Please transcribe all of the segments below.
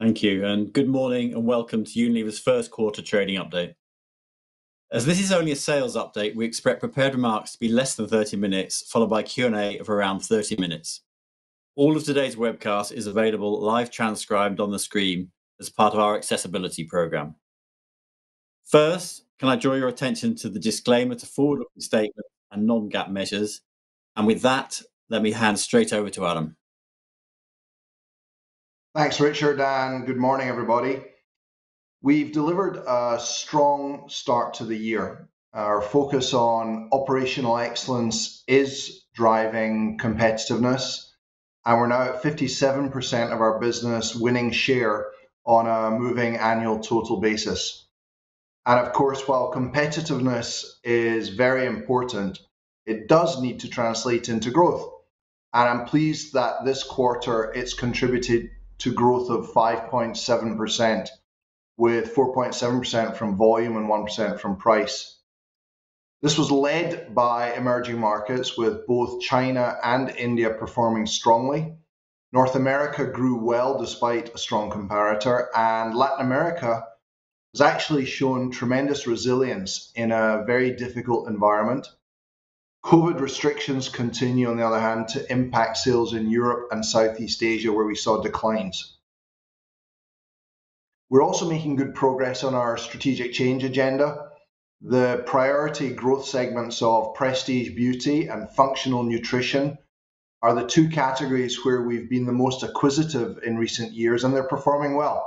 Thank you. Good morning, and welcome to Unilever's first quarter trading update. As this is only a sales update, we expect prepared remarks to be less than 30 minutes, followed by Q&A of around 30 minutes. All of today's webcast is available live transcribed on the screen as part of our accessibility program. First, can I draw your attention to the disclaimer to forward-looking statement and non-GAAP measures. With that, let me hand straight over to Alan. Thanks, Richard. Good morning, everybody. We've delivered a strong start to the year. Our focus on operational excellence is driving competitiveness. We're now at 57% of our business winning share on a moving annual total basis. Of course, while competitiveness is very important, it does need to translate into growth. I'm pleased that this quarter it's contributed to growth of 5.7%, with 4.7% from volume and 1% from price. This was led by emerging markets with both China and India performing strongly. North America grew well despite a strong comparator. Latin America has actually shown tremendous resilience in a very difficult environment. COVID restrictions continue, on the other hand, to impact sales in Europe and Southeast Asia, where we saw declines. We're also making good progress on our strategic change agenda. The priority growth segments of Prestige Beauty and Functional Nutrition are the two categories where we've been the most acquisitive in recent years, and they're performing well.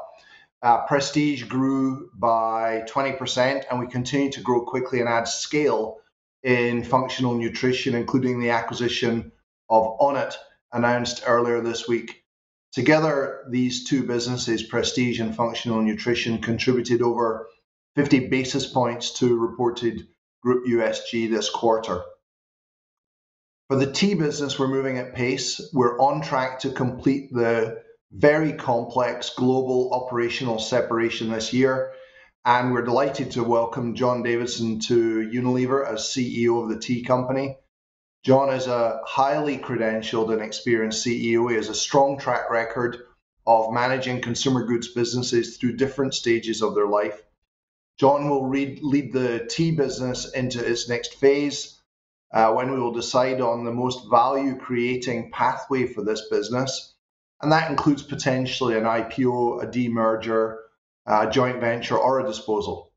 Prestige grew by 20%. We continue to grow quickly and add scale in Functional Nutrition, including the acquisition of Onnit announced earlier this week. Together, these two businesses, Prestige and Functional Nutrition, contributed over 50 basis points to reported group USG this quarter. For the tea business, we're moving at pace. We're on track to complete the very complex global operational separation this year. We're delighted to welcome John Davison to Unilever as CEO of the tea company. John is a highly credentialed and experienced CEO. He has a strong track record of managing consumer goods businesses through different stages of their life. John will lead the tea business into its next phase, when we will decide on the most value-creating pathway for this business. That includes potentially an IPO, a demerger, a joint venture, or a disposal.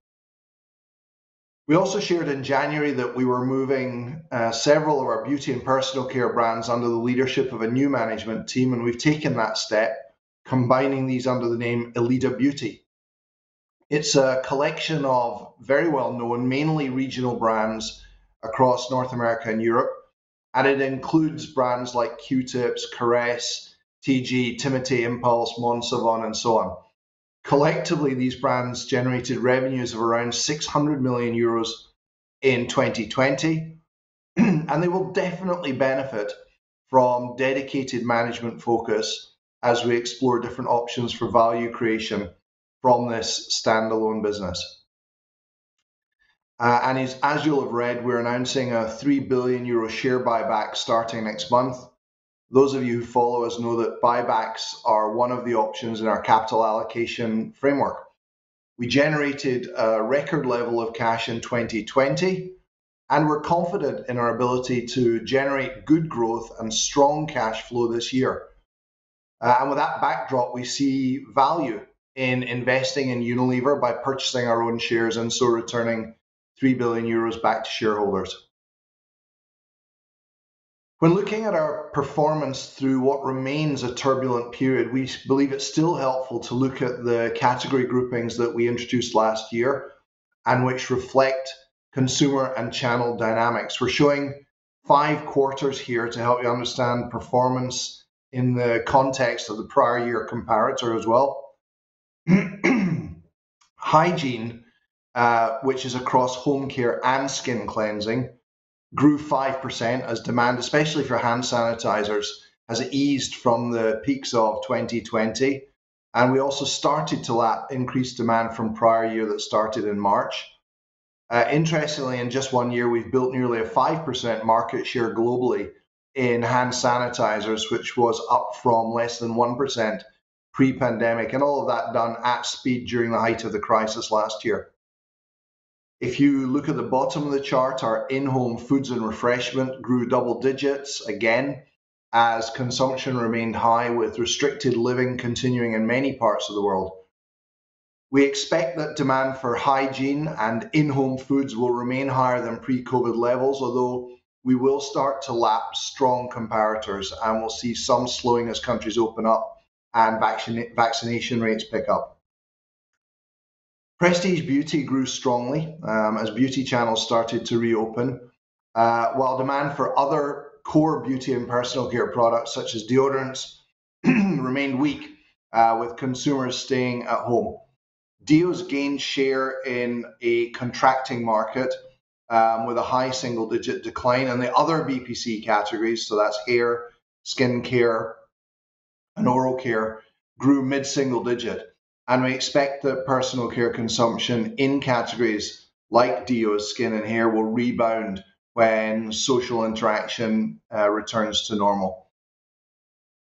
We also shared in January that we were moving several of our beauty and personal care brands under the leadership of a new management team. We've taken that step, combining these under the name Elida Beauty. It's a collection of very well-known, mainly regional brands across North America and Europe. It includes brands like Q-tips, Caress, TIGI, Timotei, Impulse, Monsavon, and so on. Collectively, these brands generated revenues of around 600 million euros in 2020. They will definitely benefit from dedicated management focus as we explore different options for value creation from this standalone business. As you'll have read, we're announcing a 3 billion euro share buyback starting next month. Those of you who follow us know that buybacks are one of the options in our capital allocation framework. We generated a record level of cash in 2020, and we're confident in our ability to generate good growth and strong cash flow this year. With that backdrop, we see value in investing in Unilever by purchasing our own shares and so returning 3 billion euros back to shareholders. When looking at our performance through what remains a turbulent period, we believe it's still helpful to look at the category groupings that we introduced last year and which reflect consumer and channel dynamics. We're showing five quarters here to help you understand performance in the context of the prior year comparator as well. Hygiene, which is across home care and skin cleansing, grew 5% as demand, especially for hand sanitizers, has eased from the peaks of 2020. We also started to lap increased demand from prior year that started in March. Interestingly, in just one year, we've built nearly a 5% market share globally in hand sanitizers, which was up from less than 1% pre-pandemic. All of that done at speed during the height of the crisis last year. If you look at the bottom of the chart, our in-home foods and refreshment grew double digits again as consumption remained high with restricted living continuing in many parts of the world. We expect that demand for hygiene and in-home foods will remain higher than pre-COVID levels, although we will start to lap strong comparators. We'll see some slowing as countries open up and vaccination rates pick up. Prestige Beauty grew strongly, as beauty channels started to reopen, while demand for other core beauty and personal care products such as deodorants remained weak, with consumers staying at home. Deos gained share in a contracting market, with a high single-digit decline in the other BPC categories, so that's hair, skin care, and oral care grew mid-single digit. We expect that personal care consumption in categories like deo, skin, and hair will rebound when social interaction returns to normal.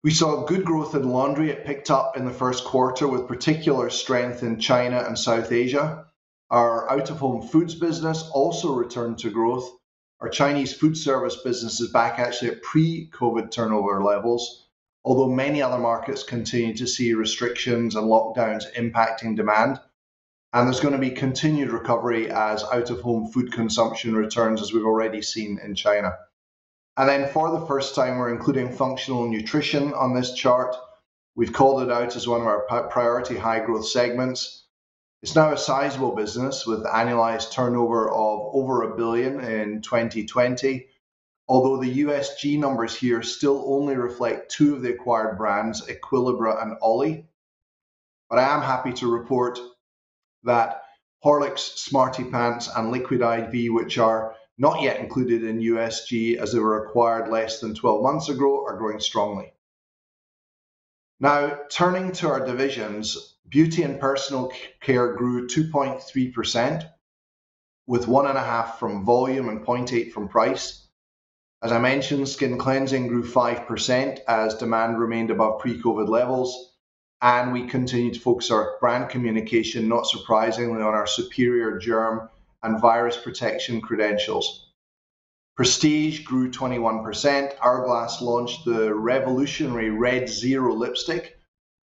We saw good growth in laundry. It picked up in the first quarter with particular strength in China and South Asia. Our out-of-home foods business also returned to growth. Our Chinese food service business is back actually at pre-COVID turnover levels, although many other markets continue to see restrictions and lockdowns impacting demand. There's going to be continued recovery as out-of-home food consumption returns, as we've already seen in China. For the first time, we're including Functional Nutrition on this chart. We've called it out as one of our priority high growth segments. It's now a sizable business with annualized turnover of over 1 billion in 2020. Although the USG numbers here still only reflect two of the acquired brands, Equilibra and OLLY, but I am happy to report that Horlicks, SmartyPants, and Liquid I.V., which are not yet included in USG as they were acquired less than 12 months ago, are growing strongly. Turning to our divisions, beauty and personal care grew 2.3% with 1.5 from volume and 0.8 from price. As I mentioned, skin cleansing grew 5% as demand remained above pre-COVID levels, and we continued to focus our brand communication, not surprisingly, on our superior germ and virus protection credentials. Prestige grew 21%. Hourglass launched the revolutionary Red 0 lipstick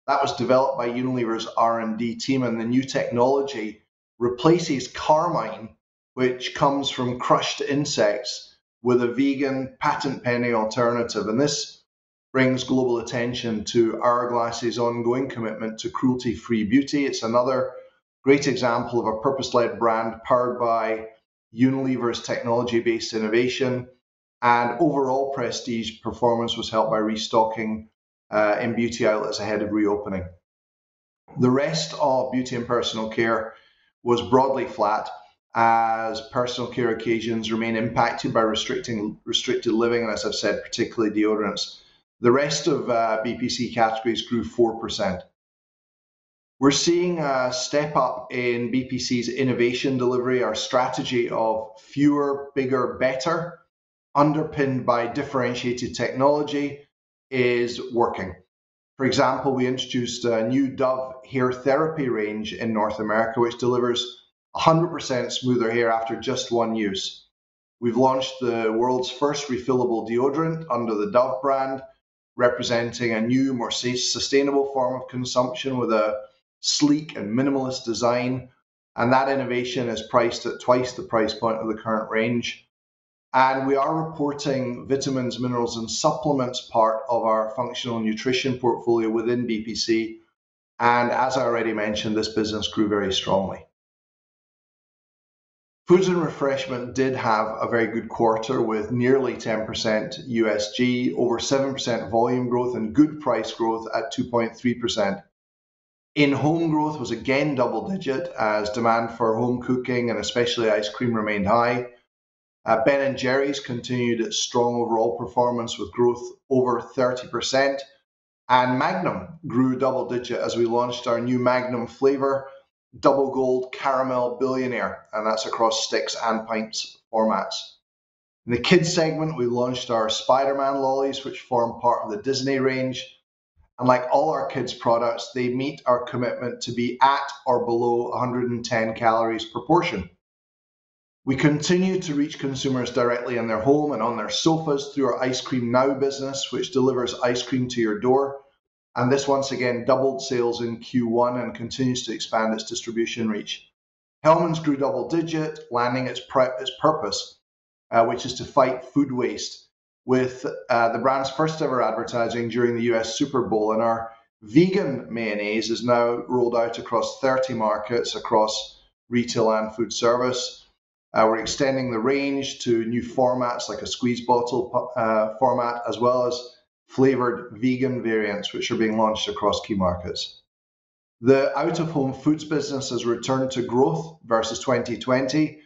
that was developed by Unilever's R&D team. The new technology replaces carmine, which comes from crushed insects, with a vegan patent pending alternative. This brings global attention to Hourglass' ongoing commitment to cruelty-free beauty. It's another great example of a purpose-led brand powered by Unilever's technology-based innovation. Overall prestige performance was helped by restocking in beauty outlets ahead of reopening. The rest of beauty and personal care was broadly flat as personal care occasions remain impacted by restricted living, as I've said, particularly deodorants. The rest of BPC categories grew 4%. We're seeing a step up in BPC's innovation delivery. Our strategy of fewer, bigger, better, underpinned by differentiated technology is working. For example, we introduced a new Dove hair therapy range in North America, which delivers 100% smoother hair after just one use. We've launched the world's first refillable deodorant under the Dove brand, representing a new, more sustainable form of consumption with a sleek and minimalist design. That innovation is priced at twice the price point of the current range. We are reporting vitamins, minerals, and supplements part of our Functional Nutrition portfolio within BPC. As I already mentioned, this business grew very strongly. Foods and refreshment did have a very good quarter with nearly 10% USG, over 7% volume growth, and good price growth at 2.3%. In-home growth was again double digit as demand for home cooking and especially ice cream remained high. Ben & Jerry's continued its strong overall performance with growth over 30%. Magnum grew double digit as we launched our new Magnum flavor, Double Gold Caramel Billionaire. That's across sticks and pints formats. In the kids segment, we launched our Spider-Man lollies, which form part of the Disney range, and like all our kids products, they meet our commitment to be at or below 110 calories per portion. We continue to reach consumers directly in their home and on their sofas through our Ice Cream Now business which delivers ice cream to your door. This once again doubled sales in Q1 and continues to expand its distribution reach. Hellmann's grew double digit, landing its purpose, which is to fight food waste with the brand's first ever advertising during the U.S. Super Bowl, and our vegan mayonnaise is now rolled out across 30 markets across retail and food service. We are extending the range to new formats like a squeeze bottle format as well as flavored vegan variants, which are being launched across key markets. The out-of-home foods business has returned to growth versus 2020.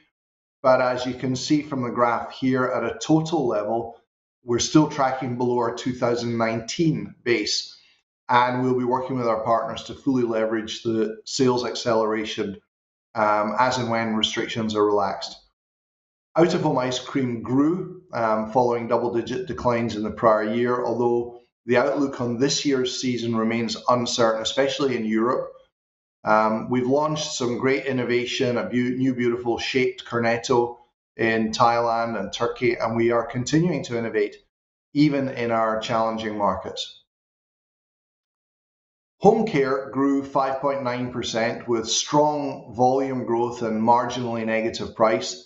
As you can see from the graph here at a total level, we're still tracking below our 2019 base, and we'll be working with our partners to fully leverage the sales acceleration, as and when restrictions are relaxed. Out-of-home ice cream grew following double-digit declines in the prior year, although the outlook on this year's season remains uncertain, especially in Europe. We've launched some great innovation, a new beautiful shaped Cornetto in Thailand and Turkey, and we are continuing to innovate even in our challenging markets. Home care grew 5.9% with strong volume growth and marginally negative price.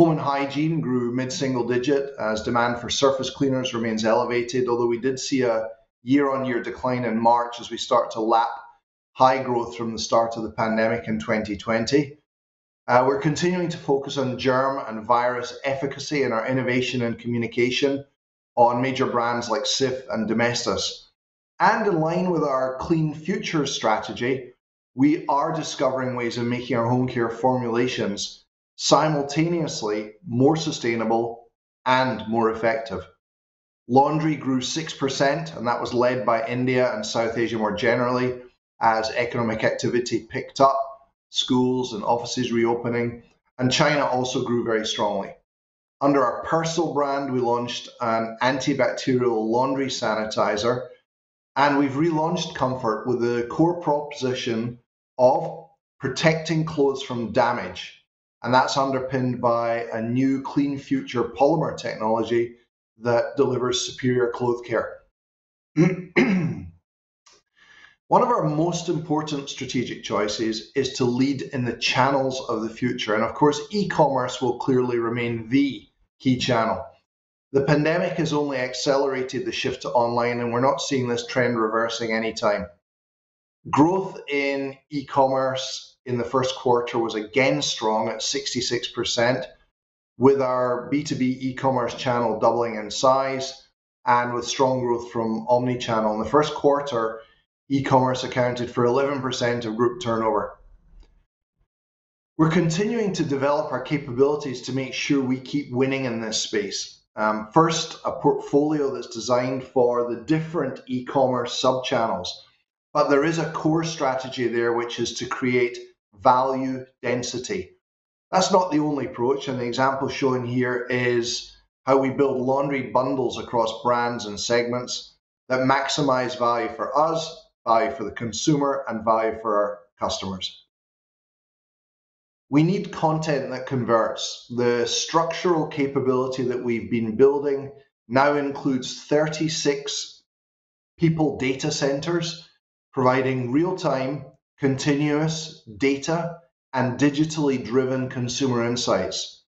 Home and hygiene grew mid-single digit as demand for surface cleaners remains elevated. We did see a year-on-year decline in March as we start to lap high growth from the start of the pandemic in 2020. We're continuing to focus on germ and virus efficacy in our innovation and communication on major brands like Cif and Domestos. In line with our Clean Future strategy, we are discovering ways of making our home care formulations simultaneously more sustainable and more effective. Laundry grew 6%, and that was led by India and South Asia more generally as economic activity picked up, schools and offices reopening, and China also grew very strongly. Under our Persil brand, we launched an antibacterial laundry sanitizer, and we've relaunched Comfort with the core proposition of protecting clothes from damage, and that's underpinned by a new Clean Future polymer technology that delivers superior cloth care. One of our most important strategic choices is to lead in the channels of the future, and of course, e-commerce will clearly remain the key channel. The pandemic has only accelerated the shift to online, and we're not seeing this trend reversing any time. Growth in e-commerce in the first quarter was again strong at 66%, with our B2B e-commerce channel doubling in size and with strong growth from omni-channel. In the first quarter, e-commerce accounted for 11% of group turnover. We're continuing to develop our capabilities to make sure we keep winning in this space. First, a portfolio that's designed for the different e-commerce sub-channels, but there is a core strategy there, which is to create value density. That's not the only approach, and the example shown here is how we build laundry bundles across brands and segments that maximize value for us, value for the consumer, and value for our customers. We need content that converts. The structural capability that we've been building now includes 36 people data centers providing real-time, continuous data, and digitally driven consumer insights.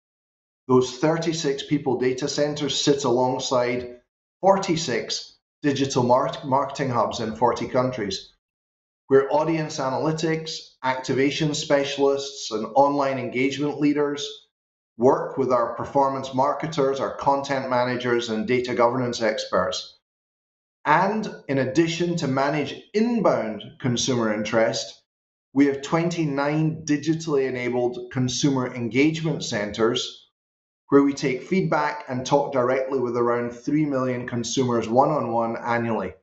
Those 36 people data centers sit alongside 46 digital marketing hubs in 40 countries, where audience analytics, activation specialists, and online engagement leaders work with our performance marketers, our content managers, and data governance experts. In addition to manage inbound consumer interest, we have 29 digitally enabled consumer engagement centers where we take feedback and talk directly with around 3 million consumers one on one annually.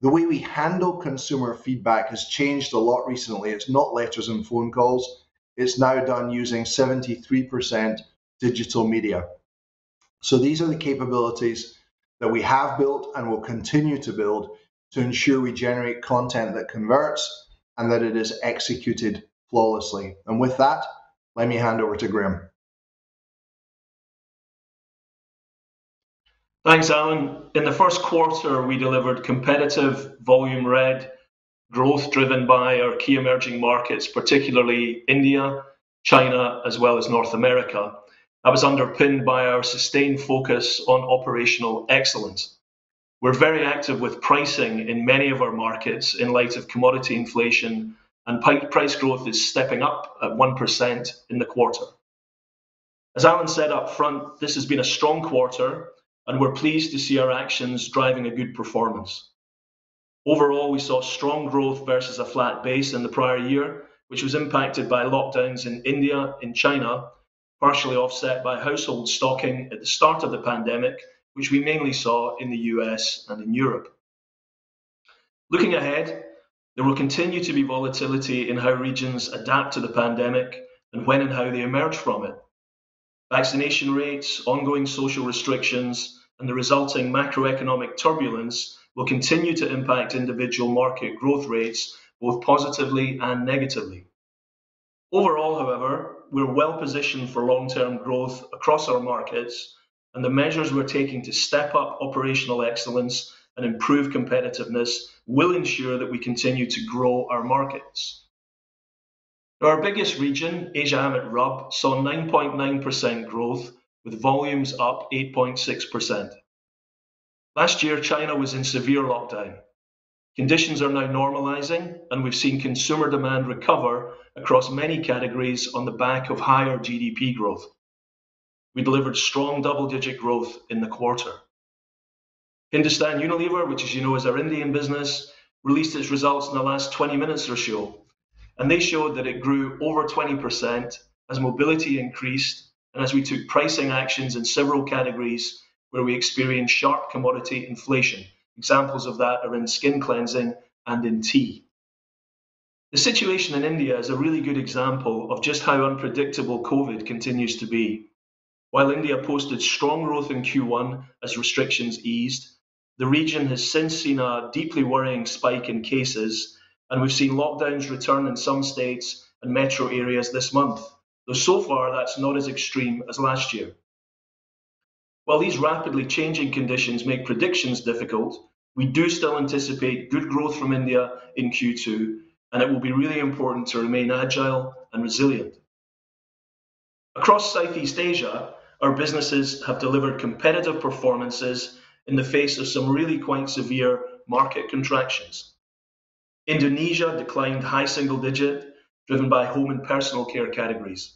The way we handle consumer feedback has changed a lot recently. It's not letters and phone calls. It's now done using 73% digital media. These are the capabilities that we have built and will continue to build to ensure we generate content that converts and that it is executed flawlessly. With that, let me hand over to Graeme. Thanks, Alan. In the first quarter, we delivered competitive volume-led growth driven by our key emerging markets, particularly India, China, as well as North America. That was underpinned by our sustained focus on operational excellence. We're very active with pricing in many of our markets in light of commodity inflation. Price growth is stepping up at 1% in the quarter. As Alan said up front, this has been a strong quarter. We're pleased to see our actions driving a good performance. Overall, we saw strong growth versus a flat base in the prior year, which was impacted by lockdowns in India and China, partially offset by household stocking at the start of the pandemic, which we mainly saw in the U.S. and in Europe. Looking ahead, there will continue to be volatility in how regions adapt to the pandemic and when and how they emerge from it. Vaccination rates, ongoing social restrictions, and the resulting macroeconomic turbulence will continue to impact individual market growth rates both positively and negatively. Overall, however, we are well positioned for long-term growth across our markets, and the measures we're taking to step up operational excellence and improve competitiveness will ensure that we continue to grow our markets. Our biggest region, Asia/AMET/RUB, saw 9.9% growth with volumes up 8.6%. Last year, China was in severe lockdown. Conditions are now normalizing, and we've seen consumer demand recover across many categories on the back of higher GDP growth. We delivered strong double-digit growth in the quarter. Hindustan Unilever, which as you know is our Indian business, released its results in the last 20 minutes or so. They showed that it grew over 20% as mobility increased and as we took pricing actions in several categories where we experienced sharp commodity inflation. Examples of that are in skin cleansing and in tea. The situation in India is a really good example of just how unpredictable COVID continues to be. While India posted strong growth in Q1 as restrictions eased, the region has since seen a deeply worrying spike in cases, and we've seen lockdowns return in some states and metro areas this month, though so far, that's not as extreme as last year. While these rapidly changing conditions make predictions difficult, we do still anticipate good growth from India in Q2, and it will be really important to remain agile and resilient. Across Southeast Asia, our businesses have delivered competitive performances in the face of some really quite severe market contractions. Indonesia declined high single digit, driven by home and personal care categories.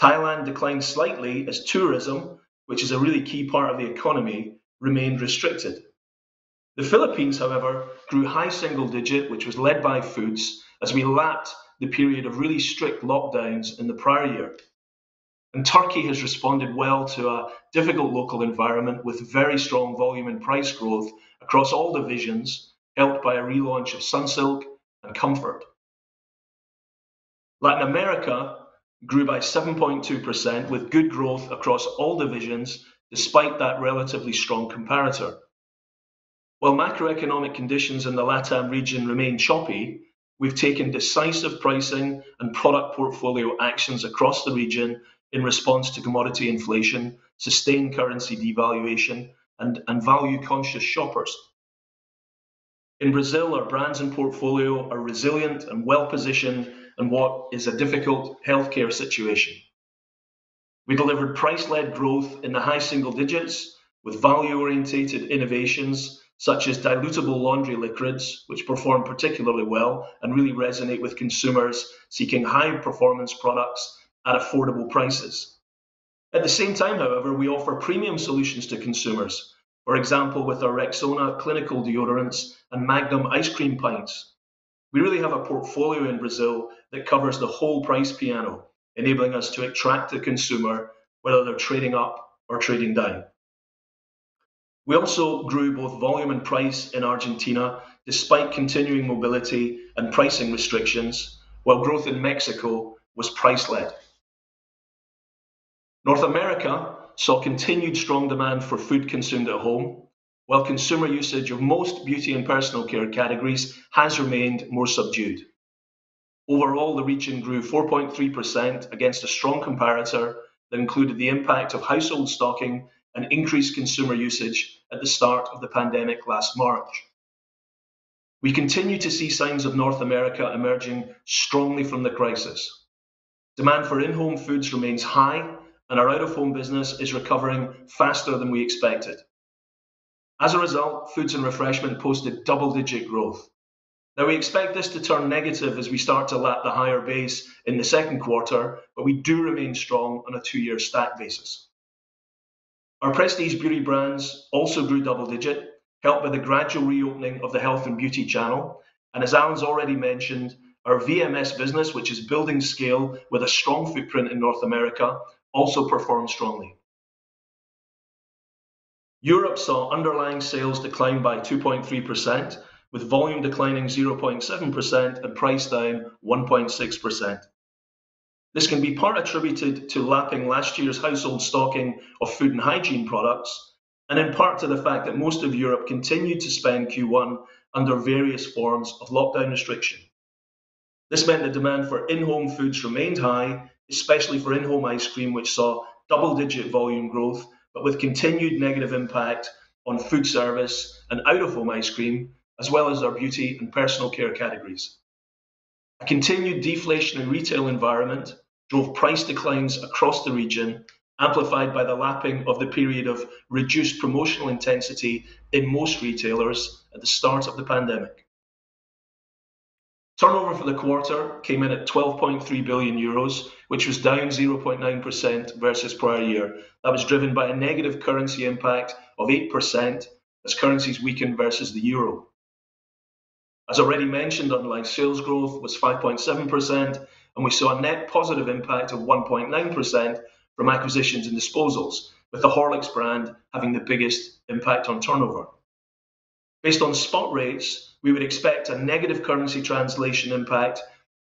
Thailand declined slightly as tourism, which is a really key part of the economy, remained restricted. The Philippines, however, grew high single digit, which was led by foods as we lapped the period of really strict lockdowns in the prior year. Turkey has responded well to a difficult local environment with very strong volume and price growth across all divisions, helped by a relaunch of Sunsilk and Comfort. Latin America grew by 7.2% with good growth across all divisions, despite that relatively strong comparator. While macroeconomic conditions in the LATAM region remain choppy, we've taken decisive pricing and product portfolio actions across the region in response to commodity inflation, sustained currency devaluation, and value-conscious shoppers. In Brazil, our brands and portfolio are resilient and well-positioned in what is a difficult healthcare situation. We delivered price-led growth in the high single digits with value-orientated innovations such as dilutable laundry liquids, which perform particularly well and really resonate with consumers seeking high-performance products at affordable prices. At the same time, however, we offer premium solutions to consumers. For example, with our Rexona clinical deodorants and Magnum ice cream pints. We really have a portfolio in Brazil that covers the whole price piano, enabling us to attract a consumer whether they're trading up or trading down. We also grew both volume and price in Argentina despite continuing mobility and pricing restrictions, while growth in Mexico was price-led. North America saw continued strong demand for food consumed at home, while consumer usage of most beauty and personal care categories has remained more subdued. Overall, the region grew 4.3% against a strong comparator that included the impact of household stocking and increased consumer usage at the start of the pandemic last March. We continue to see signs of North America emerging strongly from the crisis. Demand for in-home foods remains high, and our out-of-home business is recovering faster than we expected. As a result, foods and refreshment posted double-digit growth. We expect this to turn negative as we start to lap the higher base in the second quarter, but we do remain strong on a two-year stack basis. Our Prestige Beauty brands also grew double-digit, helped by the gradual reopening of the health and beauty channel, and as Alan's already mentioned, our VMS business, which is building scale with a strong footprint in North America, also performed strongly. Europe saw underlying sales decline by 2.3% with volume declining 0.7% and price down 1.6%. This can be part attributed to lapping last year's household stocking of food and hygiene products, and in part to the fact that most of Europe continued to spend Q1 under various forms of lockdown restriction. This meant the demand for in-home foods remained high, especially for in-home ice cream, which saw double-digit volume growth, but with continued negative impact on food service and out-of-home ice cream, as well as our beauty and personal care categories. A continued deflation in retail environment drove price declines across the region, amplified by the lapping of the period of reduced promotional intensity in most retailers at the start of the pandemic. Turnover for the quarter came in at 12.3 billion euros, which was down 0.9% versus prior year. That was driven by a negative currency impact of 8% as currencies weakened versus the Euro. As already mentioned, underlying sales growth was 5.7%, and we saw a net positive impact of 1.9% from acquisitions and disposals, with the Horlicks brand having the biggest impact on turnover. Based on spot rates, we would expect a negative currency translation impact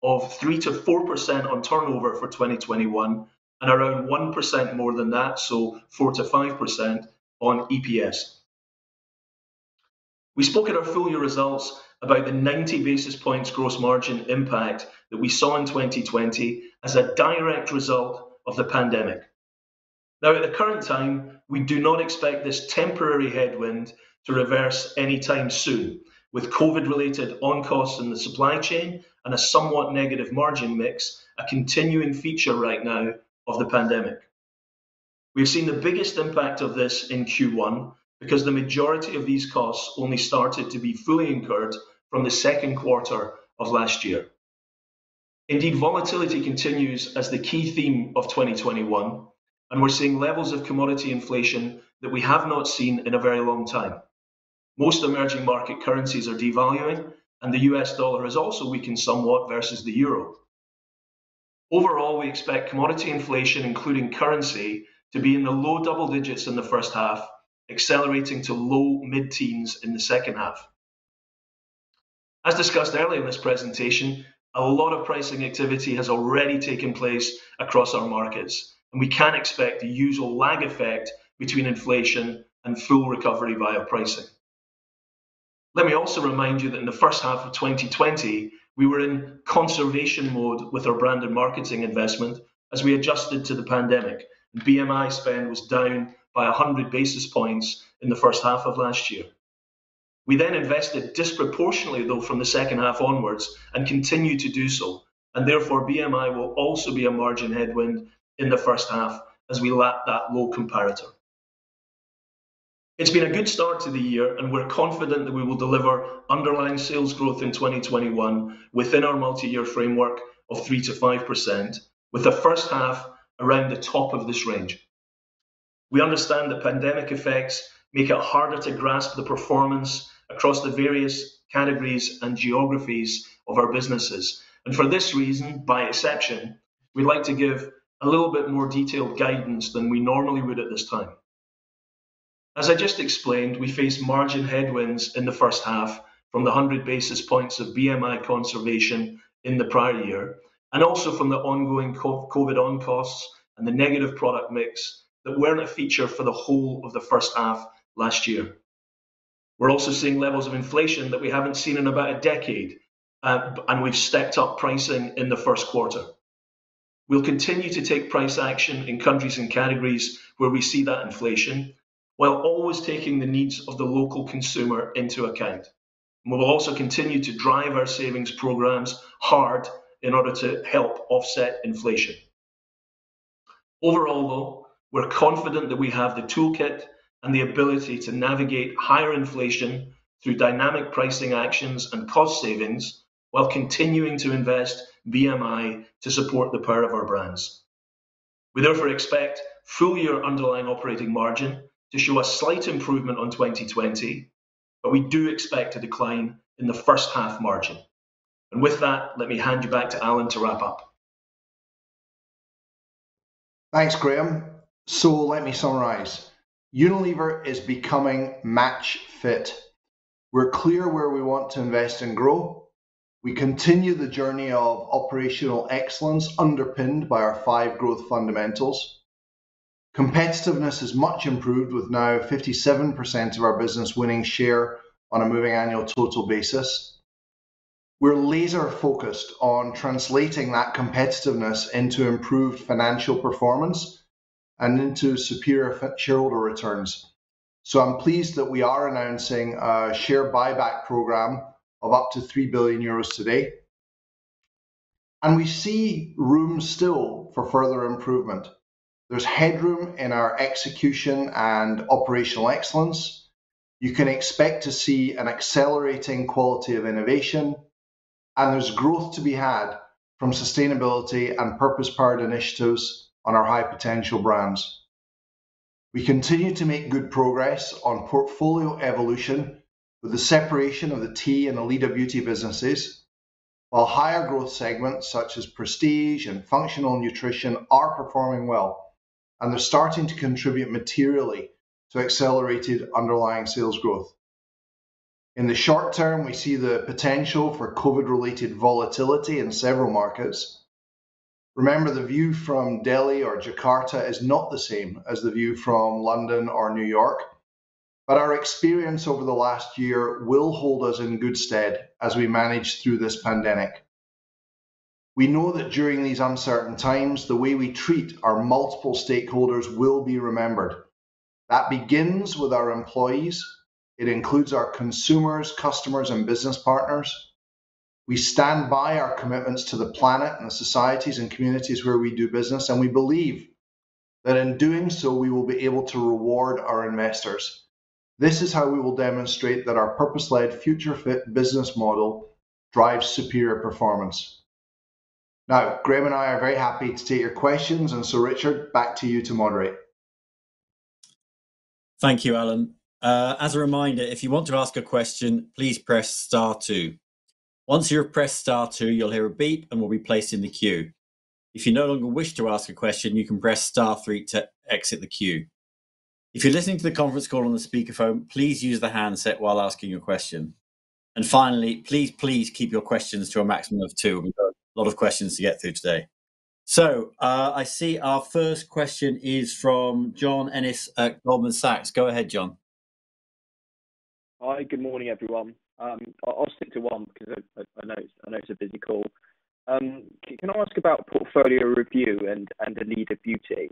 of 3%-4% on turnover for 2021, and around 1% more than that, so 4%-5% on EPS. We spoke at our full year results about the 90 basis points gross margin impact that we saw in 2020 as a direct result of the pandemic. At the current time, we do not expect this temporary headwind to reverse anytime soon with COVID related on-costs in the supply chain and a somewhat negative margin mix, a continuing feature right now of the pandemic. We have seen the biggest impact of this in Q1 because the majority of these costs only started to be fully incurred from the second quarter of last year. Indeed, volatility continues as the key theme of 2021, and we're seeing levels of commodity inflation that we have not seen in a very long time. Most emerging market currencies are devaluing, and the U.S. dollar has also weakened somewhat versus the euro. Overall, we expect commodity inflation, including currency, to be in the low double digits in the first half, accelerating to low mid-teens in the second half. As discussed earlier in this presentation, a lot of pricing activity has already taken place across our markets, and we can expect the usual lag effect between inflation and full recovery via pricing. Let me also remind you that in the first half of 2020, we were in conservation mode with our brand and marketing investment as we adjusted to the pandemic. BMI spend was down by 100 basis points in the first half of last year. We invested disproportionately though from the second half onwards and continue to do so. Therefore, BMI will also be a margin headwind in the first half as we lap that low comparator. It's been a good start to the year, and we're confident that we will deliver underlying sales growth in 2021 within our multi-year framework of 3%-5%, with the first half around the top of this range. We understand the pandemic effects make it harder to grasp the performance across the various categories and geographies of our businesses. For this reason, by exception, we'd like to give a little bit more detailed guidance than we normally would at this time. As I just explained, we face margin headwinds in the first half from the 100 basis points of BMI conservation in the prior year, and also from the ongoing COVID on-costs and the negative product mix that weren't a feature for the whole of the first half last year. We're also seeing levels of inflation that we haven't seen in about a decade, and we've stepped up pricing in the first quarter. We'll continue to take price action in countries and categories where we see that inflation, while always taking the needs of the local consumer into account. We will also continue to drive our savings programs hard in order to help offset inflation. Overall, though, we're confident that we have the toolkit and the ability to navigate higher inflation through dynamic pricing actions and cost savings while continuing to invest BMI to support the power of our brands. We therefore expect full-year underlying operating margin to show a slight improvement on 2020, but we do expect a decline in the first half margin. With that, let me hand you back to Alan to wrap up. Thanks, Graeme. Let me summarise. Unilever is becoming match fit. We're clear where we want to invest and grow. We continue the journey of operational excellence underpinned by our five growth fundamentals. Competitiveness is much improved, with now 57% of our business winning share on a Moving Annual Total basis. We're laser focused on translating that competitiveness into improved financial performance and into superior shareholder returns. I'm pleased that we are announcing a share buyback program of up to 3 billion euros today. We see room still for further improvement. There's headroom in our execution and operational excellence. You can expect to see an accelerating quality of innovation, and there's growth to be had from sustainability and purpose powered initiatives on our high potential brands. We continue to make good progress on portfolio evolution with the separation of the tea and the Elida Beauty businesses, while higher growth segments such as Prestige Beauty and Functional Nutrition are performing well. They're starting to contribute materially to accelerated underlying sales growth. In the short term, we see the potential for COVID-related volatility in several markets. Remember, the view from Delhi or Jakarta is not the same as the view from London or N.Y. Our experience over the last year will hold us in good stead as we manage through this pandemic. We know that during these uncertain times, the way we treat our multiple stakeholders will be remembered. That begins with our employees. It includes our consumers, customers, and business partners. We stand by our commitments to the planet and the societies and communities where we do business, and we believe that in doing so, we will be able to reward our investors. This is how we will demonstrate that our purpose led future fit business model drives superior performance. Graeme and I are very happy to take your questions. Richard, back to you to moderate. Thank you, Alan. As a reminder, if you want to ask a question, please press star two. Once you've pressed star two, you'll hear a beep and will be placed in the queue. If you no longer wish to ask a question, you can press star three to exit the queue. If you're listening to the conference call on the speaker phone, please use the handset while asking your question. Finally, please keep your questions to a maximum of two. We've got a lot of questions to get through today. I see our first question is from John Ennis at Goldman Sachs. Go ahead, John. Hi. Good morning, everyone. I'll stick to one because I know it's a busy call. Can I ask about portfolio review and Elida Beauty?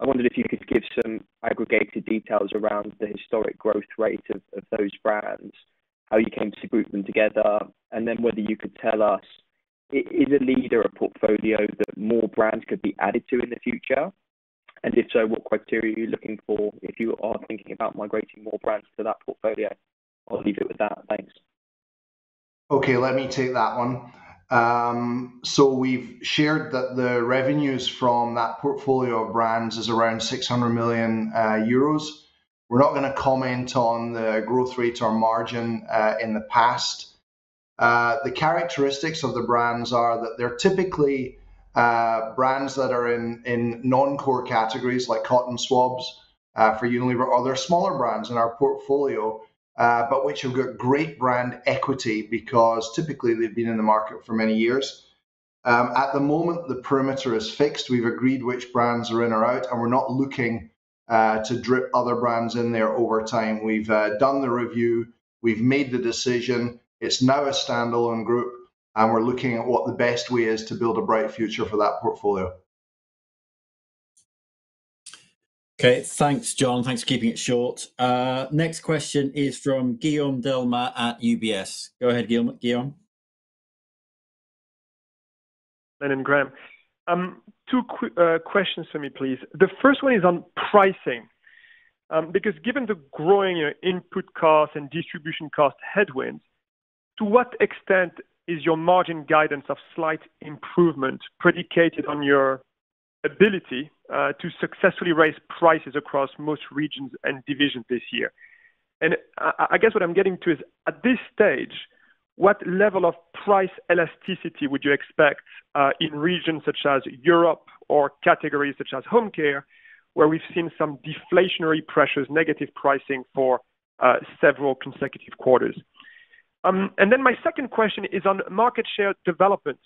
I wondered if you could give some aggregated details around the historic growth rate of those brands, how you came to group them together, and whether you could tell us, is Elida a portfolio that more brands could be added to in the future? If so, what criteria are you looking for if you are thinking about migrating more brands to that portfolio? I'll leave it with that. Thanks. We've shared that the revenues from that portfolio of brands is around 600 million euros. We're not going to comment on the growth rates or margin in the past. The characteristics of the brands are that they're typically brands that are in non-core categories, like cotton swabs for Unilever, or they're smaller brands in our portfolio, but which have got great brand equity because typically they've been in the market for many years. At the moment, the perimeter is fixed. We've agreed which brands are in or out, and we're not looking to drip other brands in there over time. We've done the review. We've made the decision. It's now a standalone group, and we're looking at what the best way is to build a bright future for that portfolio. Okay. Thanks, John. Thanks for keeping it short. Next question is from Guillaume Delmas at UBS. Go ahead, Guillaume. Alan and Graeme. Two questions for me, please. The first one is on pricing. Given the growing input cost and distribution cost headwinds, to what extent is your margin guidance of slight improvement predicated on your ability to successfully raise prices across most regions and divisions this year? I guess what I'm getting to is, at this stage, what level of price elasticity would you expect in regions such as Europe or categories such as home care, where we've seen some deflationary pressures, negative pricing for several consecutive quarters? My second question is on market share development.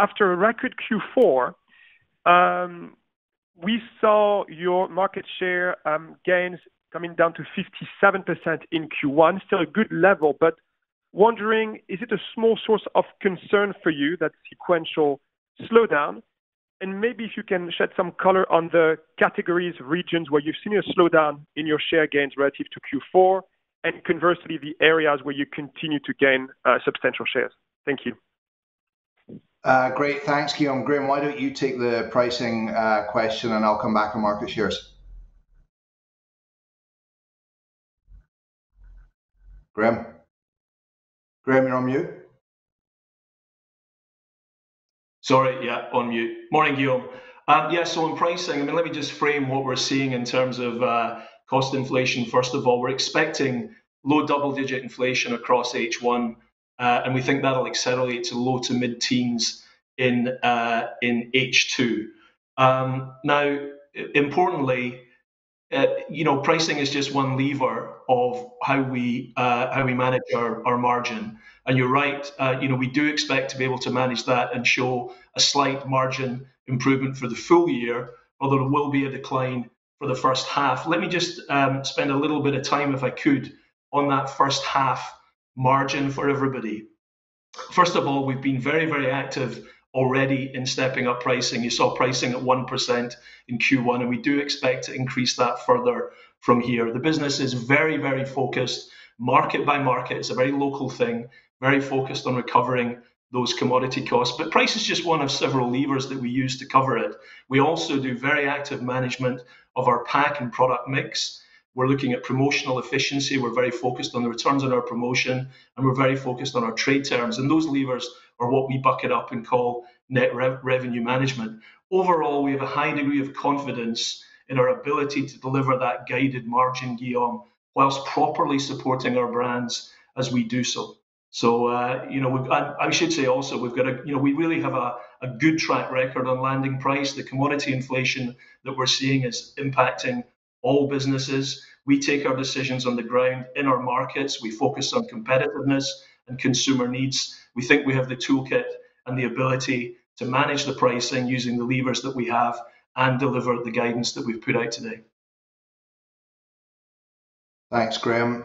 After a record Q4, we saw your market share gains coming down to 57% in Q1. Still a good level. Wondering, is it a small source of concern for you, that sequential slowdown? Maybe if you can shed some color on the categories, regions where you've seen a slowdown in your share gains relative to Q4, and conversely, the areas where you continue to gain substantial shares. Thank you. Great. Thanks, Guillaume. Graeme, why don't you take the pricing question, and I'll come back on market shares. Graeme? Graeme, you're on mute. Sorry. Yeah, on mute. Morning, Guillaume. On pricing, let me just frame what we're seeing in terms of cost inflation. First of all, we're expecting low double-digit inflation across H1, and we think that'll accelerate to low to mid-teens in H2. Importantly, pricing is just one lever of how we manage our margin. You're right, we do expect to be able to manage that and show a slight margin improvement for the full year, although it will be a decline for the first half. Let me just spend a little bit of time, if I could, on that first half margin for everybody. First of all, we've been very active already in stepping up pricing. You saw pricing at 1% in Q1, we do expect to increase that further from here. The business is very focused market by market. It's a very local thing, very focused on recovering those commodity costs. Price is just one of several levers that we use to cover it. We also do very active management of our pack and product mix. We're looking at promotional efficiency. We're very focused on the returns on our promotion, and we're very focused on our trade terms. Those levers are what we bucket up and call net revenue management. Overall, we have a high degree of confidence in our ability to deliver that guided margin, Guillaume, whilst properly supporting our brands as we do so. I should say also, we really have a good track record on landing price. The commodity inflation that we're seeing is impacting all businesses. We take our decisions on the ground in our markets. We focus on competitiveness and consumer needs. We think we have the toolkit and the ability to manage the pricing using the levers that we have and deliver the guidance that we've put out today. Thanks, Graeme.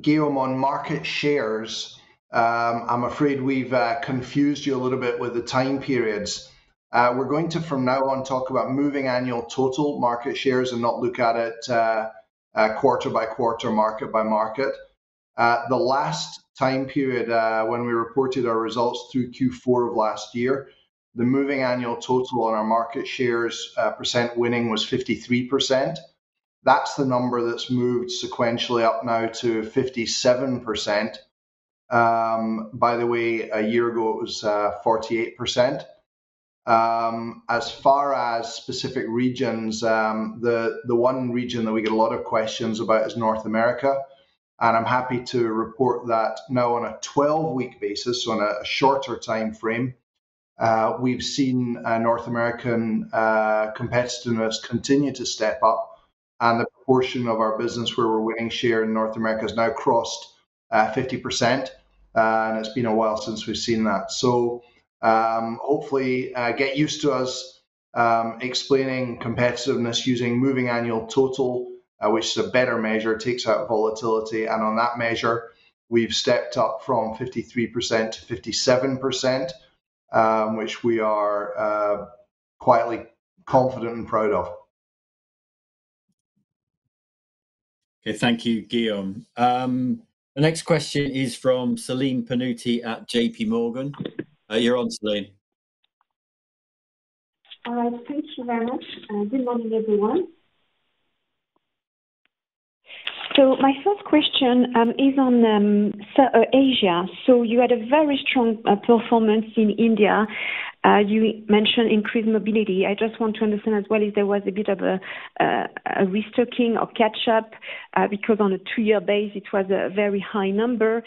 Guillaume, on market shares, I'm afraid we've confused you a little bit with the time periods. We're going to, from now on, talk about Moving Annual Total market shares and not look at it quarter by quarter, market by market. The last time period when we reported our results through Q4 of last year, the Moving Annual Total on our market shares percent winning was 53%. That's the number that's moved sequentially up now to 57%. By the way, a year ago, it was 48%. As far as specific regions, the one region that we get a lot of questions about is North America, and I'm happy to report that now on a 12-week basis, on a shorter timeframe, we've seen North American competitiveness continue to step up and the proportion of our business where we're winning share in North America has now crossed 50%, and it's been a while since we've seen that. Hopefully get used to us explaining competitiveness using Moving Annual Total, which is a better measure, takes out volatility, and on that measure, we've stepped up from 53% to 57%, which we are quietly confident and proud of. Okay. Thank you, Guillaume. The next question is from Celine Pannuti at JPMorgan. You're on, Celine. All right. Thank you very much. Good morning, everyone. My first question is on Asia. You had a very strong performance in India. You mentioned increased mobility. I just want to understand as well if there was a bit of a restocking or catch up, because on a two-year base, it was a very high number.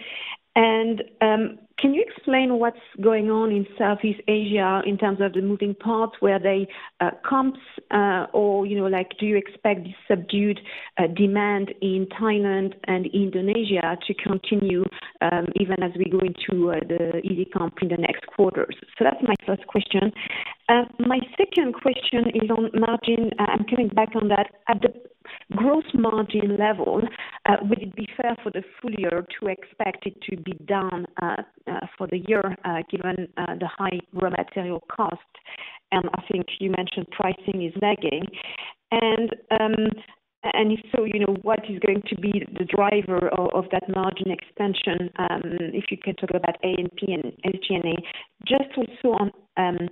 Can you explain what's going on in Southeast Asia in terms of the moving parts, were they comps or do you expect subdued demand in Thailand and Indonesia to continue even as we go into the easy comp in the next quarters? That's my first question. My second question is on margin. I'm coming back on that. At the gross margin level, would it be fair for the full year to expect it to be down for the year given the high raw material cost? I think you mentioned pricing is lagging. If so, what is going to be the driver of that margin expansion, if you can talk about A&P and SG&A? Just also on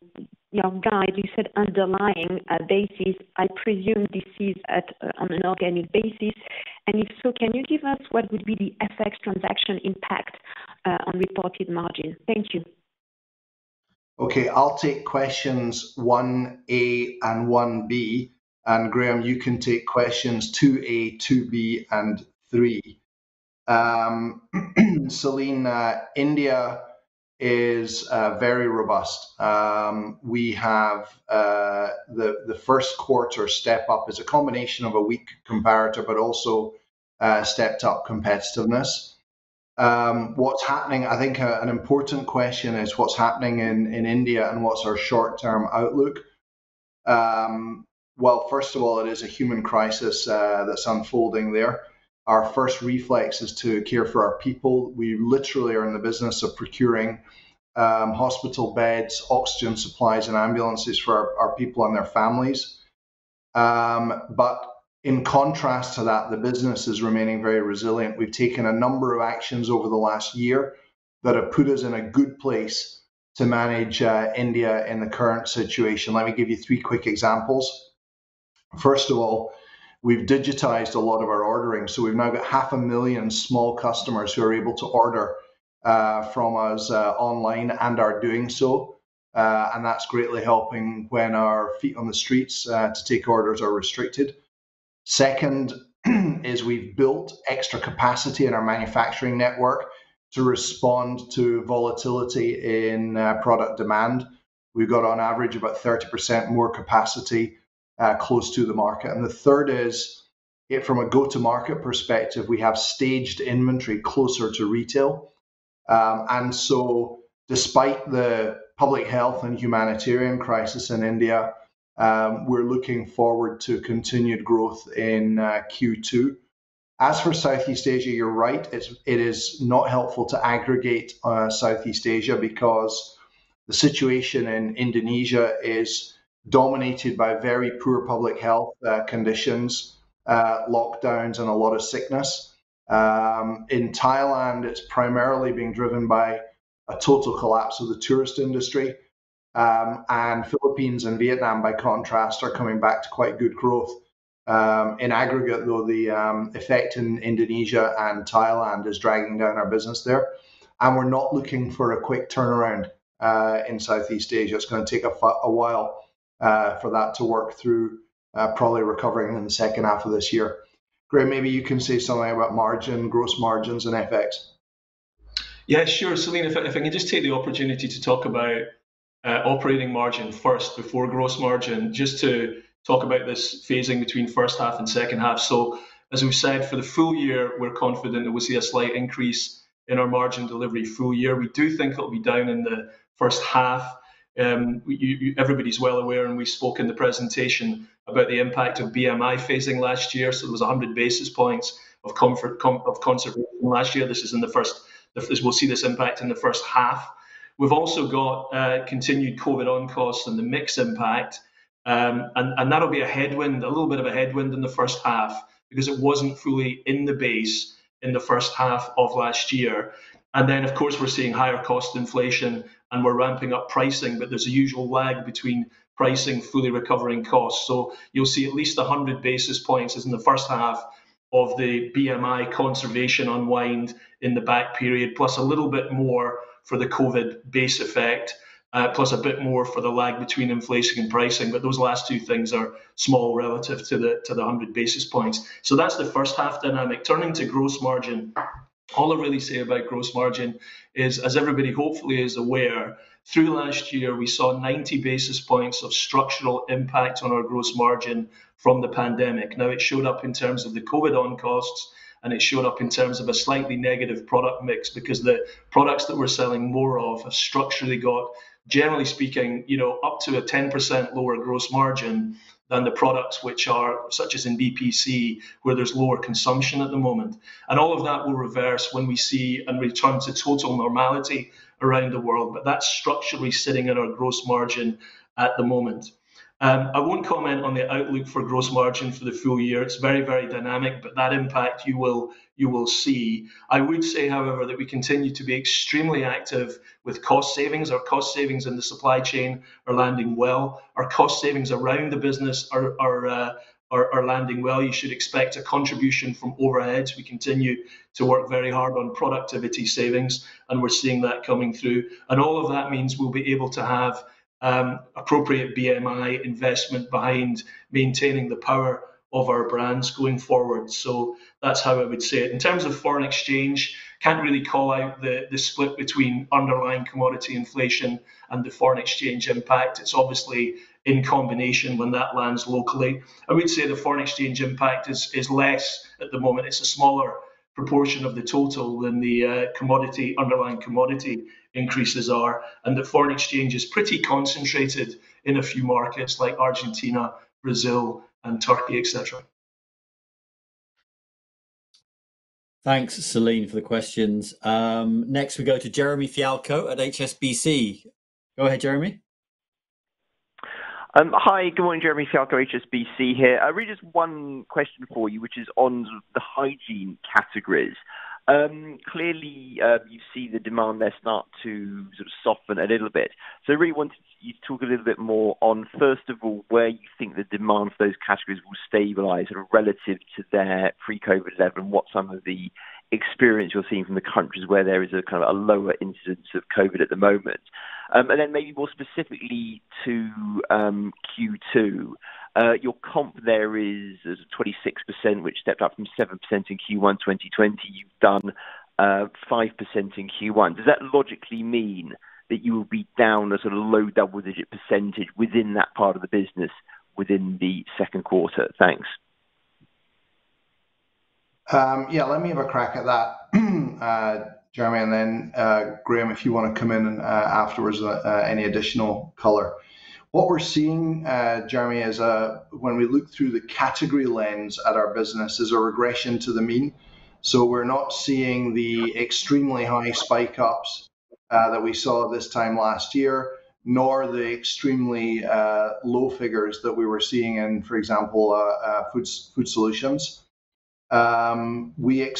your guide, you said underlying basis. I presume this is on an organic basis, and if so, can you give us what would be the FX transaction impact on reported margin? Thank you. Okay. I'll take questions 1A and 1B, and Graeme, you can take questions 2A, 2B, and 3. Celine, India is very robust. We have the first quarter step up as a combination of a weak comparator, but also stepped up competitiveness. I think an important question is what's happening in India and what's our short-term outlook? Well, first of all, it is a human crisis that's unfolding there. Our first reflex is to care for our people. We literally are in the business of procuring hospital beds, oxygen supplies, and ambulances for our people and their families. In contrast to that, the business is remaining very resilient. We've taken a number of actions over the last year that have put us in a good place to manage India in the current situation. Let me give you three quick examples. First of all, we've digitized a lot of our ordering. We've now got half a million small customers who are able to order from us online and are doing so, and that's greatly helping when our feet on the streets to take orders are restricted. Second is we've built extra capacity in our manufacturing network to respond to volatility in product demand. We've got on average about 30% more capacity close to the market. The third is from a go-to-market perspective, we have staged inventory closer to retail. Despite the public health and humanitarian crisis in India, we're looking forward to continued growth in Q2. As for Southeast Asia, you're right, it is not helpful to aggregate Southeast Asia because the situation in Indonesia is dominated by very poor public health conditions, lockdowns, and a lot of sickness. In Thailand, it's primarily being driven by a total collapse of the tourist industry. Philippines and Vietnam, by contrast, are coming back to quite good growth. In aggregate, though, the effect in Indonesia and Thailand is dragging down our business there. We're not looking for a quick turnaround in Southeast Asia. It's going to take a while for that to work through, probably recovering in the second half of this year. Graeme, maybe you can say something about margin, gross margins, and FX. Yeah, sure, Celine. If I can just take the opportunity to talk about operating margin first before gross margin, just to talk about this phasing between first half and second half. As we have said, for the full year, we are confident that we will see a slight increase in our margin delivery full year. We do think it will be down in the first half. Everybody is well aware, and we spoke in the presentation about the impact of BMI phasing last year. There was 100 basis points of conservation last year. We will see this impact in the first half. We have also got continued COVID on-costs and the mix impact, and that will be a little bit of a headwind in the first half because it was not fully in the base in the first half of last year. Of course, we're seeing higher cost inflation and we're ramping up pricing, but there's a usual lag between pricing fully recovering costs. You'll see at least 100 basis points is in the first half of the BMI conservation unwind in the back period, plus a little bit more for the COVID base effect, plus a bit more for the lag between inflation and pricing. Those last two things are small relative to the 100 basis points. That's the first half dynamic. Turning to gross margin, all I really say about gross margin is, as everybody hopefully is aware, through last year, we saw 90 basis points of structural impact on our gross margin from the pandemic. It showed up in terms of the COVID on-costs, and it showed up in terms of a slightly negative product mix because the products that we're selling more of have structurally got, generally speaking, up to a 10% lower gross margin than the products which are such as in BPC where there's lower consumption at the moment. All of that will reverse when we see and return to total normality around the world. That's structurally sitting at our gross margin at the moment. I won't comment on the outlook for gross margin for the full year. It's very dynamic, but that impact you will see. I would say, however, that we continue to be extremely active with cost savings. Our cost savings in the supply chain are landing well. Our cost savings around the business are landing well. You should expect a contribution from overheads. We continue to work very hard on productivity savings, and we're seeing that coming through. All of that means we'll be able to have appropriate BMI investment behind maintaining the power of our brands going forward. That's how I would say it. In terms of foreign exchange, can't really call out the split between underlying commodity inflation and the foreign exchange impact. It's obviously in combination when that lands locally. I would say the foreign exchange impact is less at the moment. It's a smaller proportion of the total than the underlying commodity increases are, and the foreign exchange is pretty concentrated in a few markets like Argentina, Brazil, and Turkey, et cetera. Thanks, Celine, for the questions. Next we go to Jeremy Fialko at HSBC. Go ahead, Jeremy. Hi, good morning, Jeremy Fialko, HSBC here. Really just one question for you, which is on the hygiene categories. Clearly, you see the demand there start to sort of soften a little bit. Really wanted you to talk a little bit more on, first of all, where you think the demand for those categories will stabilize sort of relative to their pre-COVID level, and what some of the experience you're seeing from the countries where there is a kind of a lower incidence of COVID at the moment. Then maybe more specifically to Q2, your comp there is at 26%, which stepped up from 7% in Q1 2020. You've done 5% in Q1. Does that logically mean that you will be down a sort of low double-digit percentage within that part of the business within the second quarter? Thanks. Yeah, let me have a crack at that, Jeremy, and then Graeme, if you want to come in afterwards, any additional color. What we're seeing, Jeremy, is when we look through the category lens at our business is a regression to the mean. We're not seeing the extremely high spike-ups that we saw this time last year, nor the extremely low figures that we were seeing in, for example, food solutions. What we're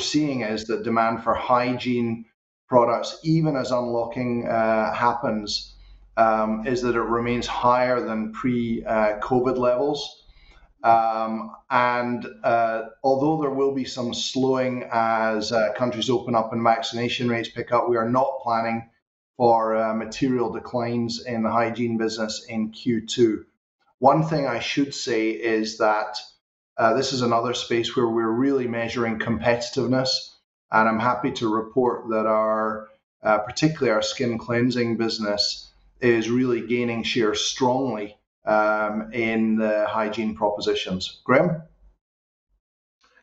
seeing is that demand for hygiene products, even as unlocking happens, is that it remains higher than pre-COVID levels. Although there will be some slowing as countries open up and vaccination rates pick up, we are not planning for material declines in the hygiene business in Q2. One thing I should say is that this is another space where we're really measuring competitiveness, and I'm happy to report that particularly our skin cleansing business is really gaining share strongly in the hygiene propositions. Graeme?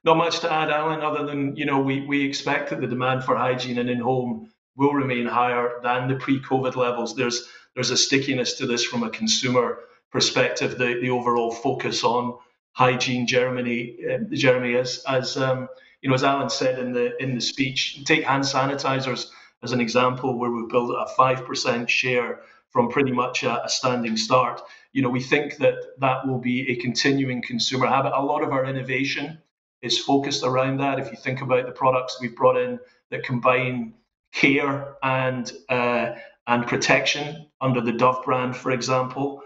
Not much to add, Alan, other than we expect that the demand for hygiene and in-home will remain higher than the pre-COVID levels. There's a stickiness to this from a consumer perspective, the overall focus on hygiene, Jeremy, as Alan said in the speech. Take hand sanitizers as an example where we've built a 5% share from pretty much a standing start. We think that that will be a continuing consumer habit. A lot of our innovation is focused around that. If you think about the products we've brought in that combine care and protection under the Dove brand, for example.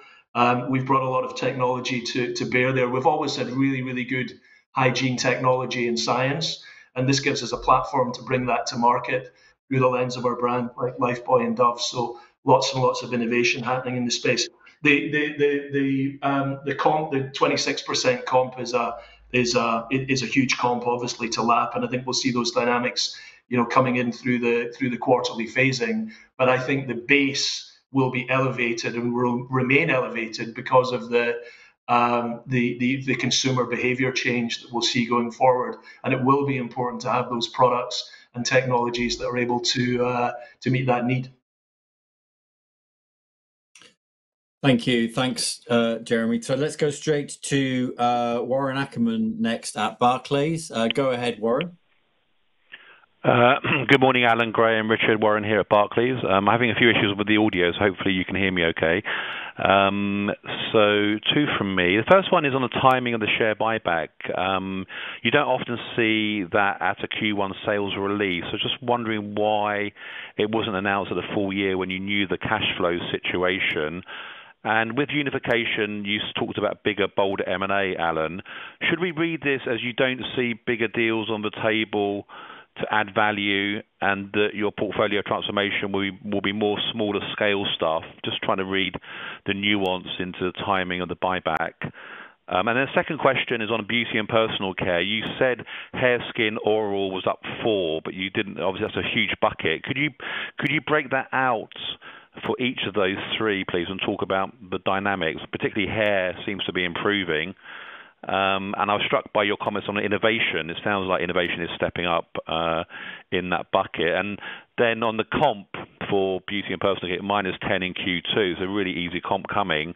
We've brought a lot of technology to bear there. We've always had really, really good hygiene technology and science. This gives us a platform to bring that to market through the lens of our brand, like Lifebuoy and Dove. Lots and lots of innovation happening in the space. The 26% comp is a huge comp obviously to lap, and I think we'll see those dynamics coming in through the quarterly phasing. I think the base will be elevated and will remain elevated because of the consumer behavior change that we'll see going forward, and it will be important to have those products and technologies that are able to meet that need. Thank you. Thanks, Jeremy. Let's go straight to Warren Ackerman next at Barclays. Go ahead, Warren. Good morning, Alan, Graeme, Richard. Warren here at Barclays. I'm having a few issues with the audio. Hopefully you can hear me okay. Two from me. The first one is on the timing of the share buyback. You don't often see that at a Q1 sales release, so just wondering why it wasn't announced at the full year when you knew the cash flow situation. With unification, you talked about bigger, bolder M&A, Alan. Should we read this as you don't see bigger deals on the table to add value and that your portfolio transformation will be more smaller scale stuff? Just trying to read the nuance into the timing of the buyback. A second question is on Beauty and Personal Care. You said hair, skin, oral was up four, but you didn't, obviously, that's a huge bucket. Could you break that out for each of those three, please, and talk about the dynamics? Particularly hair seems to be improving. I was struck by your comments on innovation. It sounds like innovation is stepping up in that bucket. On the comp for Beauty & Personal Care, -10 in Q2, so a really easy comp coming.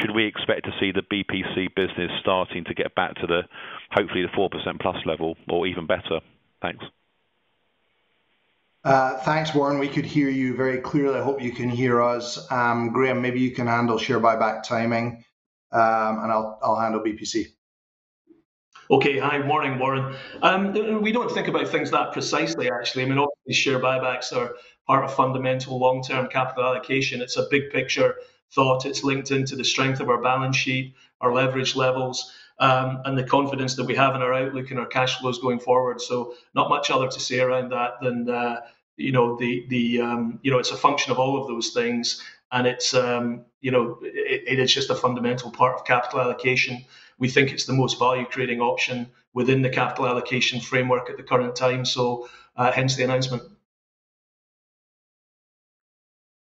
Should we expect to see the BPC business starting to get back to the, hopefully the 4%+ level or even better? Thanks. Thanks, Warren. We could hear you very clearly. I hope you can hear us. Graeme, maybe you can handle share buyback timing, and I'll handle BPC. Okay. Hi. Morning, Warren. We don't think about things that precisely, actually. I mean, obviously share buybacks are part of fundamental long-term capital allocation. It's a big picture thought. It's linked into the strength of our balance sheet, our leverage levels, and the confidence that we have in our outlook and our cash flows going forward. Not much other to say around that than it's a function of all of those things, and it's just a fundamental part of capital allocation. We think it's the most value-creating option within the capital allocation framework at the current time, so hence the announcement.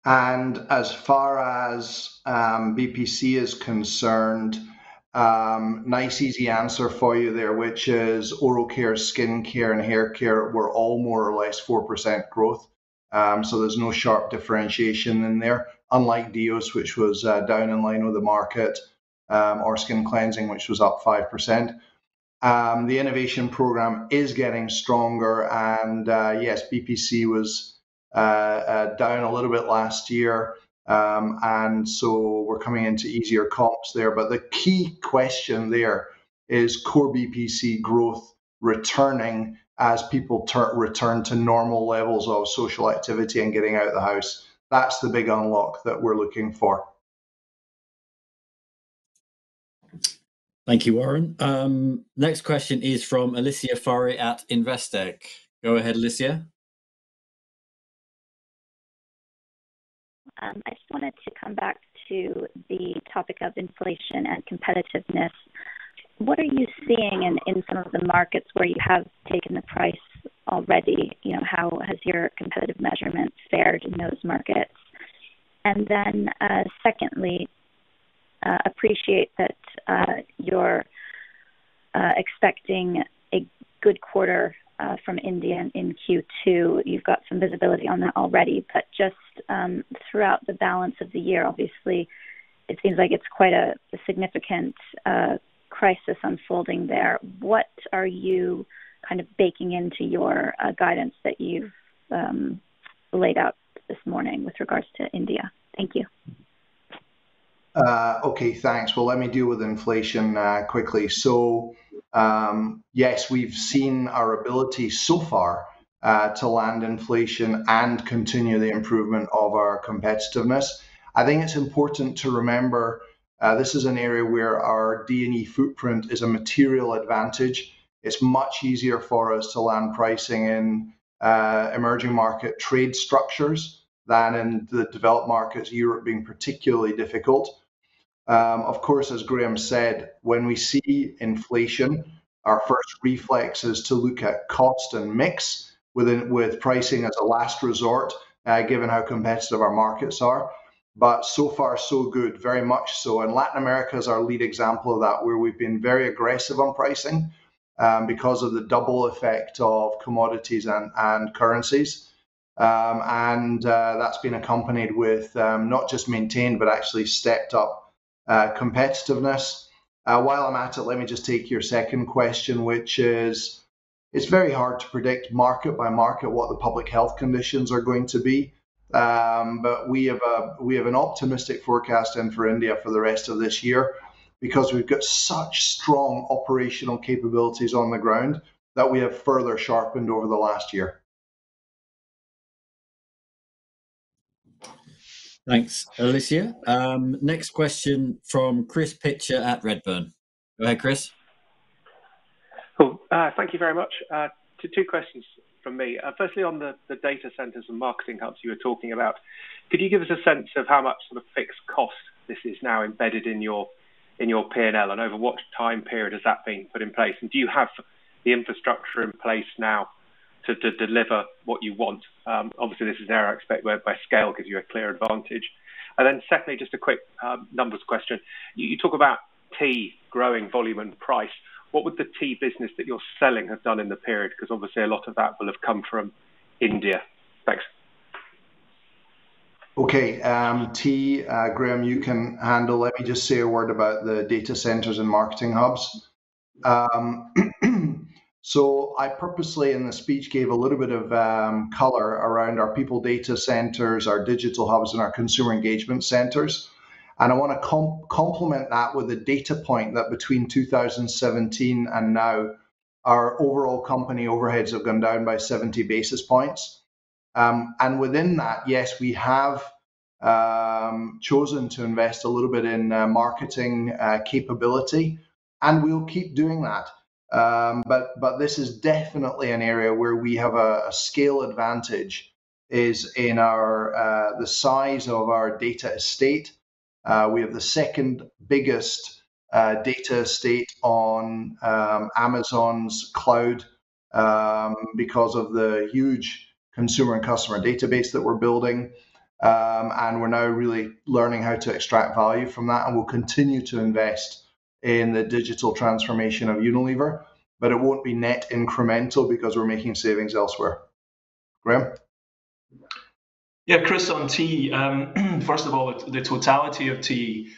As far as BPC is concerned, nice easy answer for you there, which is oral care, skin care, and hair care were all more or less 4% growth. So there is no short differentiation unlike Deos, which was down in line with the market, our skin cleansing, which was up 5%. The innovation program is getting stronger. Yes, BPC was down a little bit last year, we're coming into easier comps there. The key question there is core BPC growth returning as people return to normal levels of social activity and getting out of the house. That's the big unlock that we're looking for. Thank you, Warren. Next question is from Alicia Forry at Investec. Go ahead, Alicia. I just wanted to come back to the topic of inflation and competitiveness. What are you seeing in some of the markets where you have taken the price already? How has your competitive measurement fared in those markets? Secondly, appreciate that you're expecting a good quarter from India in Q2. You've got some visibility on that already, just throughout the balance of the year, obviously, it seems like it's quite a significant crisis unfolding there. What are you kind of baking into your guidance that you've laid out this morning with regards to India? Thank you. Okay, thanks. Let me deal with inflation quickly. Yes, we've seen our ability so far to land inflation and continue the improvement of our competitiveness. I think it's important to remember this is an area where our D&E footprint is a material advantage. It's much easier for us to land pricing in emerging market trade structures than in the developed markets, Europe being particularly difficult. As Graeme said, when we see inflation, our first reflex is to look at cost and mix, with pricing as a last resort, given how competitive our markets are. So far so good, very much so. Latin America is our lead example of that, where we've been very aggressive on pricing because of the double effect of commodities and currencies. That's been accompanied with not just maintained, but actually stepped up competitiveness. While I'm at it, let me just take your second question, which is, it's very hard to predict market by market what the public health conditions are going to be. We have an optimistic forecast in for India for the rest of this year because we've got such strong operational capabilities on the ground that we have further sharpened over the last year. Thanks, Alicia. Next question from Chris Pitcher at Redburn. Go ahead, Chris. Cool. Thank you very much. two questions from me. Firstly, on the data centers and marketing hubs you were talking about, could you give us a sense of how much sort of fixed cost this is now embedded in your P&L, and over what time period has that been put in place, and do you have the infrastructure in place now to deliver what you want? Obviously, this is an area I expect where by scale gives you a clear advantage. Secondly, just a quick numbers question. You talk about tea growing volume and price. What would the tea business that you're selling have done in the period? Obviously a lot of that will have come from India. Thanks. Okay. Tea, Graeme, you can handle. Let me just say a word about the data centers and marketing hubs. I purposely in the speech gave a little bit of color around our people data centers, our digital hubs and our consumer engagement centers, and I want to complement that with the data point that between 2017 and now, our overall company overheads have gone down by 70 basis points. Within that, yes, we have chosen to invest a little bit in marketing capability, and we'll keep doing that. This is definitely an area where we have a scale advantage is in the size of our data estate. We have the second biggest data estate on Amazon's cloud because of the huge consumer and customer database that we're building, and we're now really learning how to extract value from that, and we'll continue to invest in the digital transformation of Unilever, but it won't be net incremental because we're making savings elsewhere. Graeme? Chris, on tea, first of all, the totality of tea,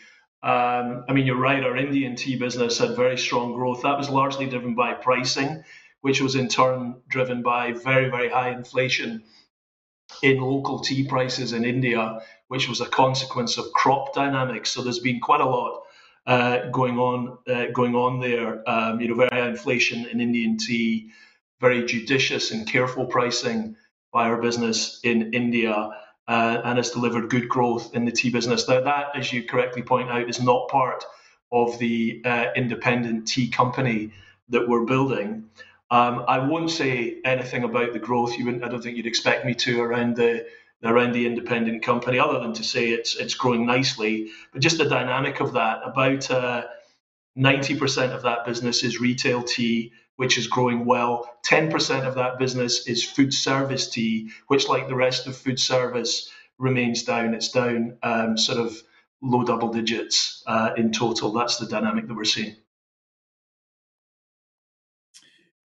you're right, our Indian tea business had very strong growth. That was largely driven by pricing, which was in turn driven by very high inflation in local tea prices in India, which was a consequence of crop dynamics. There's been quite a lot going on there. Very high inflation in Indian tea, very judicious and careful pricing by our business in India, and it's delivered good growth in the tea business. Now that, as you correctly point out, is not part of the independent tea company that we're building. I won't say anything about the growth. I don't think you'd expect me to around the independent company other than to say it's growing nicely. Just the dynamic of that, about 90% of that business is retail tea, which is growing well. 10% of that business is food service tea, which like the rest of food service remains down. It's down sort of low double digits in total. That's the dynamic that we're seeing.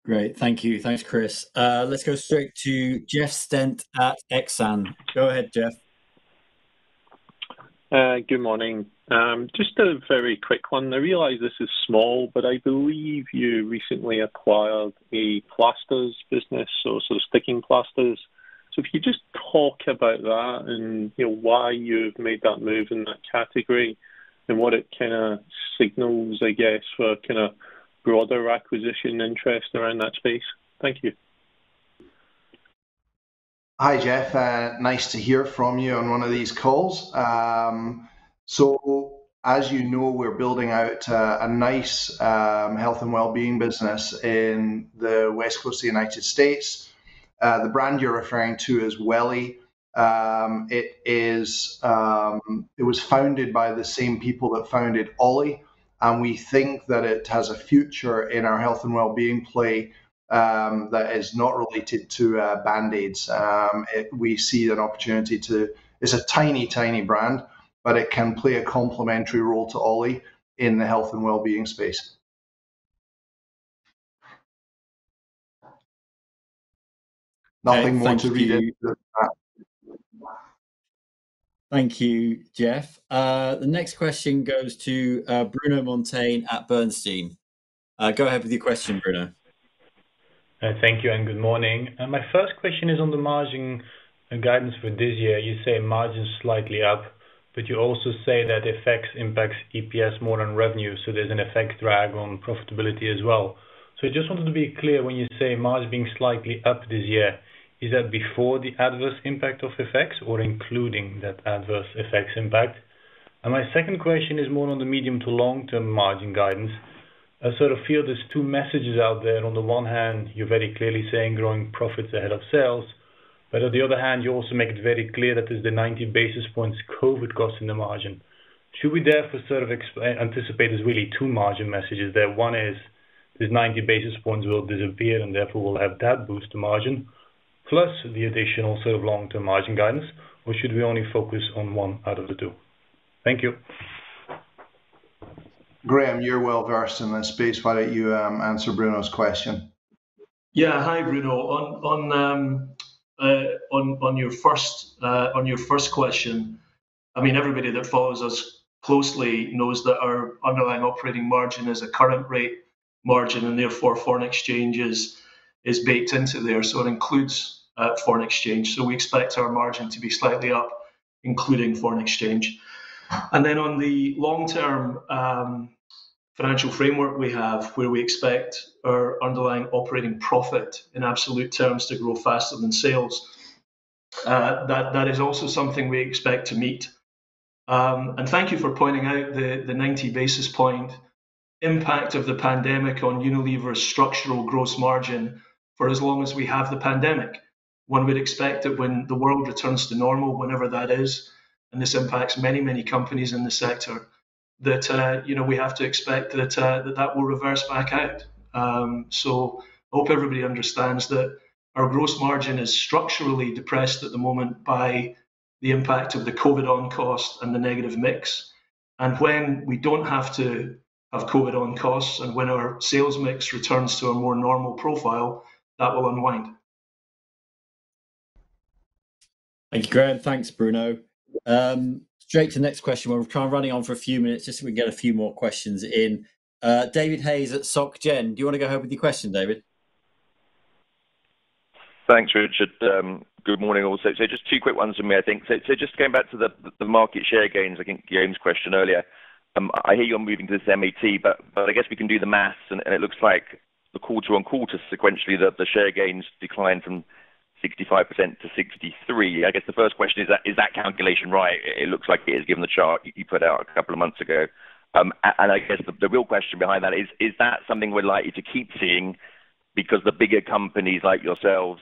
Great, thank you. Thanks, Chris. Let's go straight to Jeff Stent at Exane. Go ahead, Jeff Good morning. Just a very quick one. I realize this is small, but I believe you recently acquired a plasters business, so sticking plasters. If you just talk about that and why you've made that move in that category and what it kind of signals, I guess, for kind of broader acquisition interest around that space. Thank you. Hi, Jeff. Nice to hear from you on one of these calls. As you know, we're building out a nice health and wellbeing business in the West Coast of the U.S. The brand you're referring to is Welly. It was founded by the same people that founded OLLY, and we think that it has a future in our health and wellbeing play that is not related to Band-Aid. It's a tiny brand, but it can play a complementary role to OLLY in the health and wellbeing space. Nothing more to read into than that. Thank you, Jeff. The next question goes to Bruno Monteyne at Bernstein. Go ahead with your question, Bruno. Thank you. Good morning. My first question is on the margin and guidance for this year. You say margin's slightly up, you also say that FX impacts EPS more than revenue, so there's an FX drag on profitability as well. I just wanted to be clear, when you say margin being slightly up this year, is that before the adverse impact of FX or including that adverse FX impact? My second question is more on the medium to long term margin guidance. I sort of feel there's two messages out there. On the one hand, you're very clearly saying growing profits ahead of sales. On the other hand, you also make it very clear that there's the 90 basis points COVID cost in the margin. Should we therefore sort of anticipate there's really two margin messages there? One is this 90 basis points will disappear and therefore we'll have that boost to margin plus the additional sort of long-term margin guidance, or should we only focus on one out of the two? Thank you. Graeme, you're well versed in this space. Why don't you answer Bruno's question? Yeah. Hi, Bruno. On your first question, I mean, everybody that follows us closely knows that our underlying operating margin is a current rate margin and therefore foreign exchange is baked into there, so it includes foreign exchange. We expect our margin to be slightly up, including foreign exchange. Then on the long term financial framework we have, where we expect our underlying operating profit in absolute terms to grow faster than sales, that is also something we expect to meet. Thank you for pointing out the 90 basis point impact of the pandemic on Unilever's structural gross margin for as long as we have the pandemic. We'd expect that when the world returns to normal, whenever that is, and this impacts many companies in the sector, that we have to expect that will reverse back out. I hope everybody understands that our gross margin is structurally depressed at the moment by the impact of the COVID on cost and the negative mix. When we don't have to have COVID on costs and when our sales mix returns to a more normal profile, that will unwind. Thank you, Graeme. Thanks, Bruno. Straight to the next question. We're kind of running on for a few minutes just so we can get a few more questions in. David Hayes at Soc Gen. Do you want to go ahead with your question, David? Thanks, Richard. Good morning, also. Just two quick ones from me, I think. Just going back to the market share gains, I think Graeme's question earlier. I hear you're moving to this MAT, I guess we can do the math, and it looks like the quarter-on-quarter sequentially, the share gains declined from 65% to 63%. I guess the first question is that calculation right? It looks like it is, given the chart you put out a couple of months ago. I guess the real question behind that is that something we're likely to keep seeing because the bigger companies like yourselves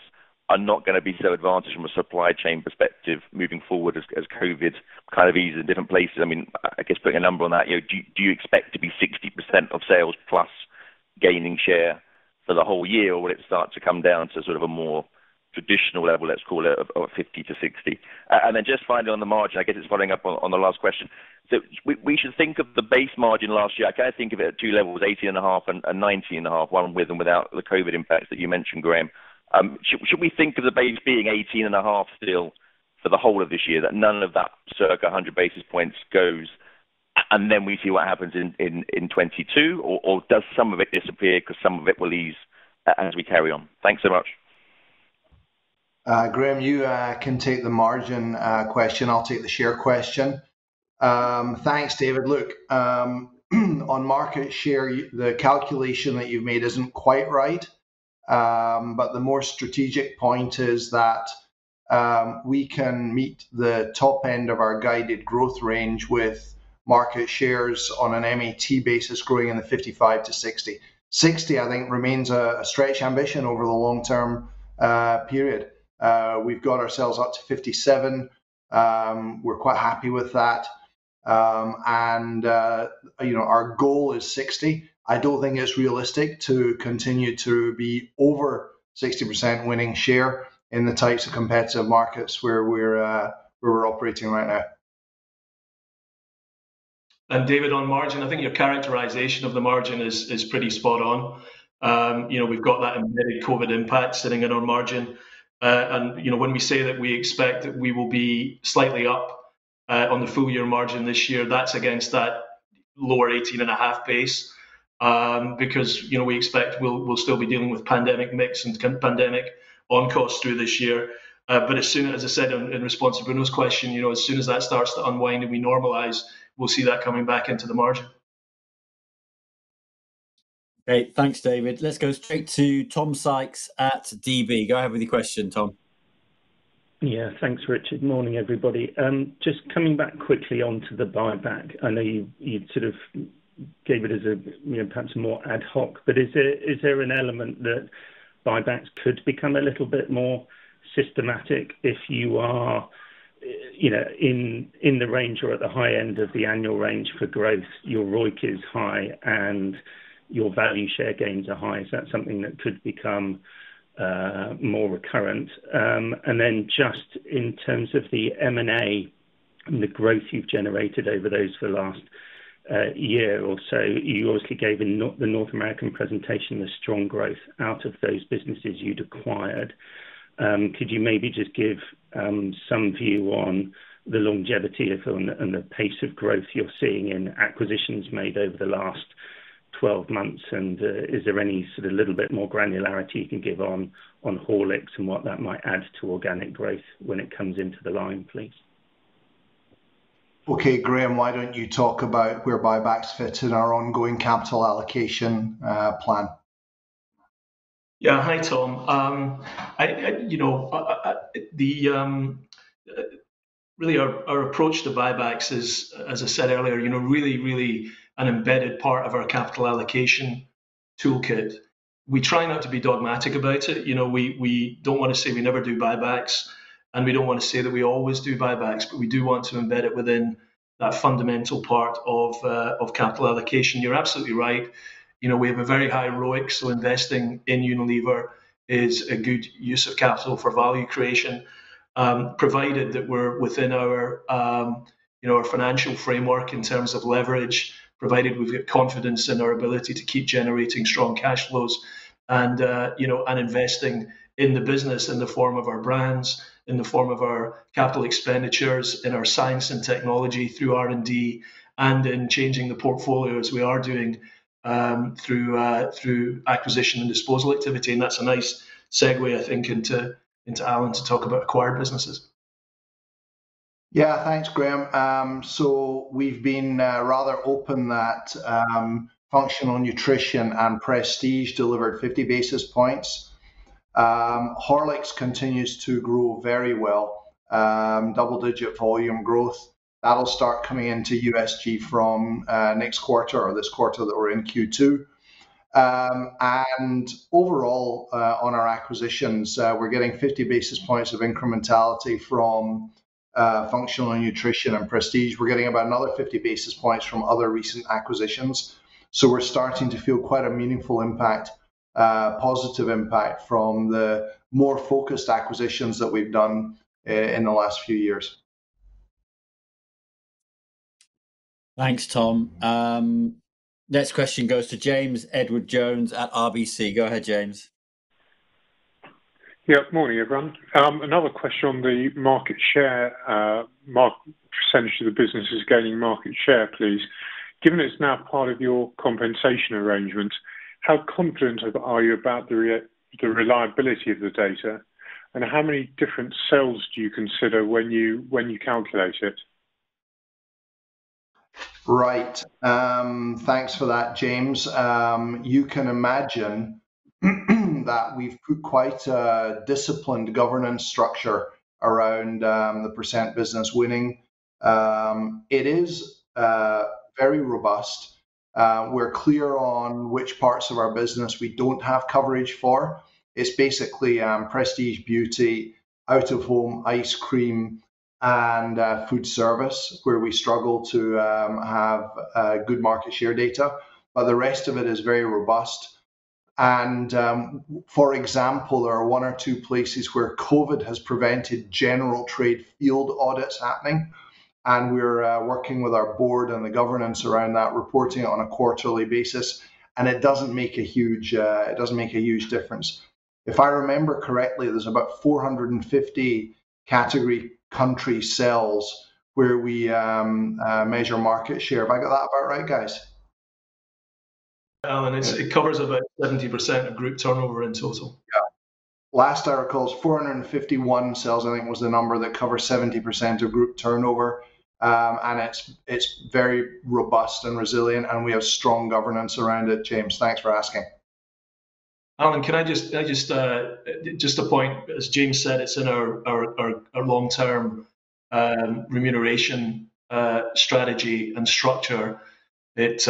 are not going to be so advantaged from a supply chain perspective moving forward as COVID kind of eases in different places? I guess putting a number on that, do you expect to be 60% of sales plus gaining share for the whole year, or will it start to come down to sort of a more traditional level, let's call it, of 50 to 60? Then just finally on the margin, I guess it's following up on the last question. We should think of the base margin last year, I kind of think of it at two levels, 18.5 and 19.5, one with and without the COVID impacts that you mentioned, Graeme. Should we think of the base being 18.5 still for the whole of this year, that none of that circa 100 basis points goes and then we see what happens in 2022? Does some of it disappear because some of it will ease as we carry on? Thanks so much. Graeme, you can take the margin question. I'll take the share question. Thanks, David. Look, on market share, the calculation that you've made isn't quite right. The more strategic point is that we can meet the top end of our guided growth range with market shares on a MAT basis growing in the 55% to 60%. 60%, I think, remains a stretch ambition over the long term period. We've got ourselves up to 57%. We're quite happy with that. Our goal is 60%. I don't think it's realistic to continue to be over 60% winning share in the types of competitive markets where we're operating right now. David, on margin, I think your characterization of the margin is pretty spot on. We've got that embedded COVID impact sitting in our margin. When we say that we expect that we will be slightly up on the full year margin this year, that's against that lower 18.5% base, because we expect we'll still be dealing with pandemic mix and pandemic on-costs through this year. As I said in response to Bruno's question, as soon as that starts to unwind and we normalize, we'll see that coming back into the margin. Great. Thanks, David. Let's go straight to Tom Sykes at DB. Go ahead with your question, Tom. Yeah, thanks Richard. Morning, everybody. Just coming back quickly onto the buyback. I know you sort of gave it as perhaps more ad hoc, is there an element that buybacks could become a little bit more systematic if you are in the range or at the high end of the annual range for growth, your ROIC is high, and your value share gains are high? Is that something that could become more recurrent? Just in terms of the M&A and the growth you've generated over those for the last year or so, you obviously gave in the North American presentation, the strong growth out of those businesses you'd acquired. Could you maybe just give some view on the longevity and the pace of growth you're seeing in acquisitions made over the last 12 months, and is there any sort of little bit more granularity you can give on Horlicks and what that might add to organic growth when it comes into the line, please? Okay, Graeme, why don't you talk about where buybacks fit in our ongoing capital allocation plan? Hi, Tom. Our approach to buybacks is, as I said earlier, really an embedded part of our capital allocation toolkit. We try not to be dogmatic about it. We don't want to say we never do buybacks, we don't want to say that we always do buybacks, we do want to embed it within that fundamental part of capital allocation. You're absolutely right. We have a very high ROIC, so investing in Unilever is a good use of capital for value creation, provided that we're within our financial framework in terms of leverage, provided we've got confidence in our ability to keep generating strong cash flows and investing in the business in the form of our brands, in the form of our capital expenditures, in our science and technology through R&D, and in changing the portfolio as we are doing through acquisition and disposal activity, and that's a nice segue, I think, into Alan to talk about acquired businesses. Yeah. Thanks, Graeme. We've been rather open that Functional Nutrition and Prestige delivered 50 basis points. Horlicks continues to grow very well. Double-digit volume growth, that'll start coming into USG from next quarter or this quarter that we're in Q2. Overall, on our acquisitions, we're getting 50 basis points of incrementality from Functional Nutrition and Prestige. We're getting about another 50 basis points from other recent acquisitions, we're starting to feel quite a meaningful impact, positive impact from the more focused acquisitions that we've done in the last few years. Thanks, Tom. Next question goes to James Edwardes Jones at RBC. Go ahead, James. Yeah. Morning, everyone. Another question on the market share, percentage of the business is gaining market share, please. Given it is now part of your compensation arrangement, how confident are you about the reliability of the data, and how many different sales do you consider when you calculate it? Right. Thanks for that, James. You can imagine that we've put quite a disciplined governance structure around the percent business winning. It is very robust. We're clear on which parts of our business we don't have coverage for. It's basically Prestige Beauty, Out of Home, Ice Cream, and Food Service where we struggle to have good market share data. The rest of it is very robust and, for example, there are one or two places where COVID has prevented general trade field audits happening, and we're working with our board and the governance around that, reporting it on a quarterly basis, and it doesn't make a huge difference. If I remember correctly, there's about 450 category country cells where we measure market share. Have I got that about right, guys? Alan, it covers about 70% of group turnover in total. Yeah. Last I recall, it was 451 sales, I think was the number that covers 70% of group turnover. It's very robust and resilient, and we have strong governance around it, James. Thanks for asking. Alan, can I just a point. As James said, it's in our long-term remuneration strategy and structure. It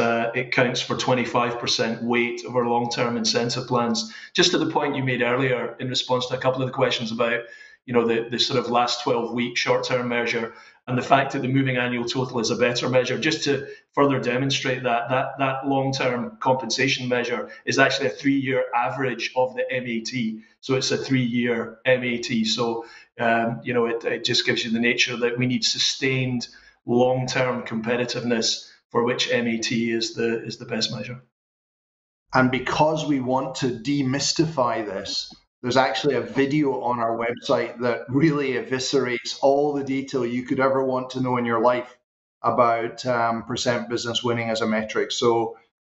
counts for 25% weight of our long-term incentive plans. Just to the point you made earlier in response to a couple of the questions about the sort of last 12-week short-term measure and the fact that the Moving Annual Total is a better measure, just to further demonstrate that long-term compensation measure is actually a three-year average of the MAT, so it's a three-year MAT. It just gives you the nature that we need sustained long-term competitiveness for which MAT is the best measure. Because we want to demystify this, there's actually a video on our website that really eviscerates all the detail you could ever want to know in your life about percent business winning as a metric.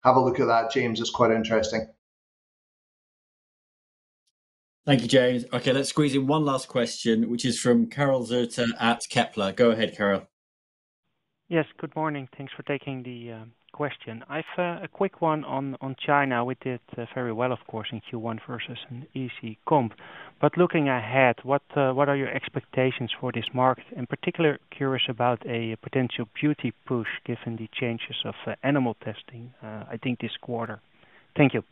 Have a look at that, James. It's quite interesting. Thank you, James. Okay, let's squeeze in one last question, which is from Karel Zoete at Kepler. Go ahead, Karel. Yes, good morning. Thanks for taking the question. I've a quick one on China, which did very well, of course, in Q1 versus an easy comp. Looking ahead, what are your expectations for this market? In particular, curious about a potential beauty push given the changes of animal testing, I think this quarter. Thank you.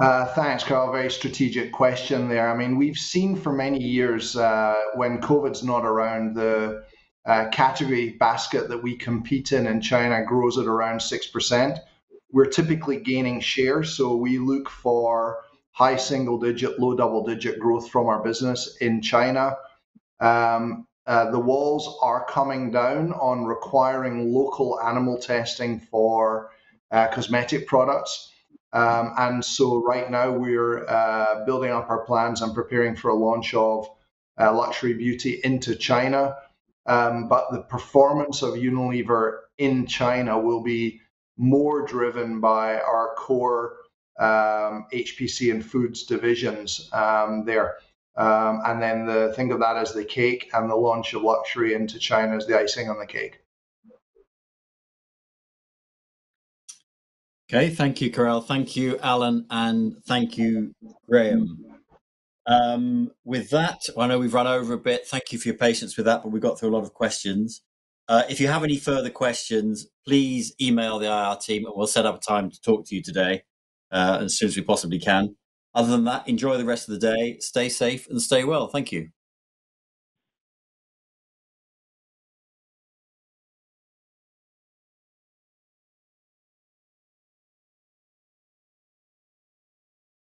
Thanks, Karel. Very strategic question there. We've seen for many years, when COVID's not around, the category basket that we compete in in China grows at around 6%. We're typically gaining share, so we look for high single digit, low double digit growth from our business in China. The walls are coming down on requiring local animal testing for cosmetic products. Right now we're building up our plans and preparing for a launch of luxury beauty into China. The performance of Unilever in China will be more driven by our core HPC and foods divisions there. Think of that as the cake, and the launch of luxury into China as the icing on the cake. Okay. Thank you, Karel. Thank you, Alan, and thank you, Graeme. With that, I know we've run over a bit. Thank you for your patience with that, but we got through a lot of questions. If you have any further questions, please email the IR team, and we'll set up a time to talk to you today as soon as we possibly can. Other than that, enjoy the rest of the day, stay safe, and stay well. Thank you.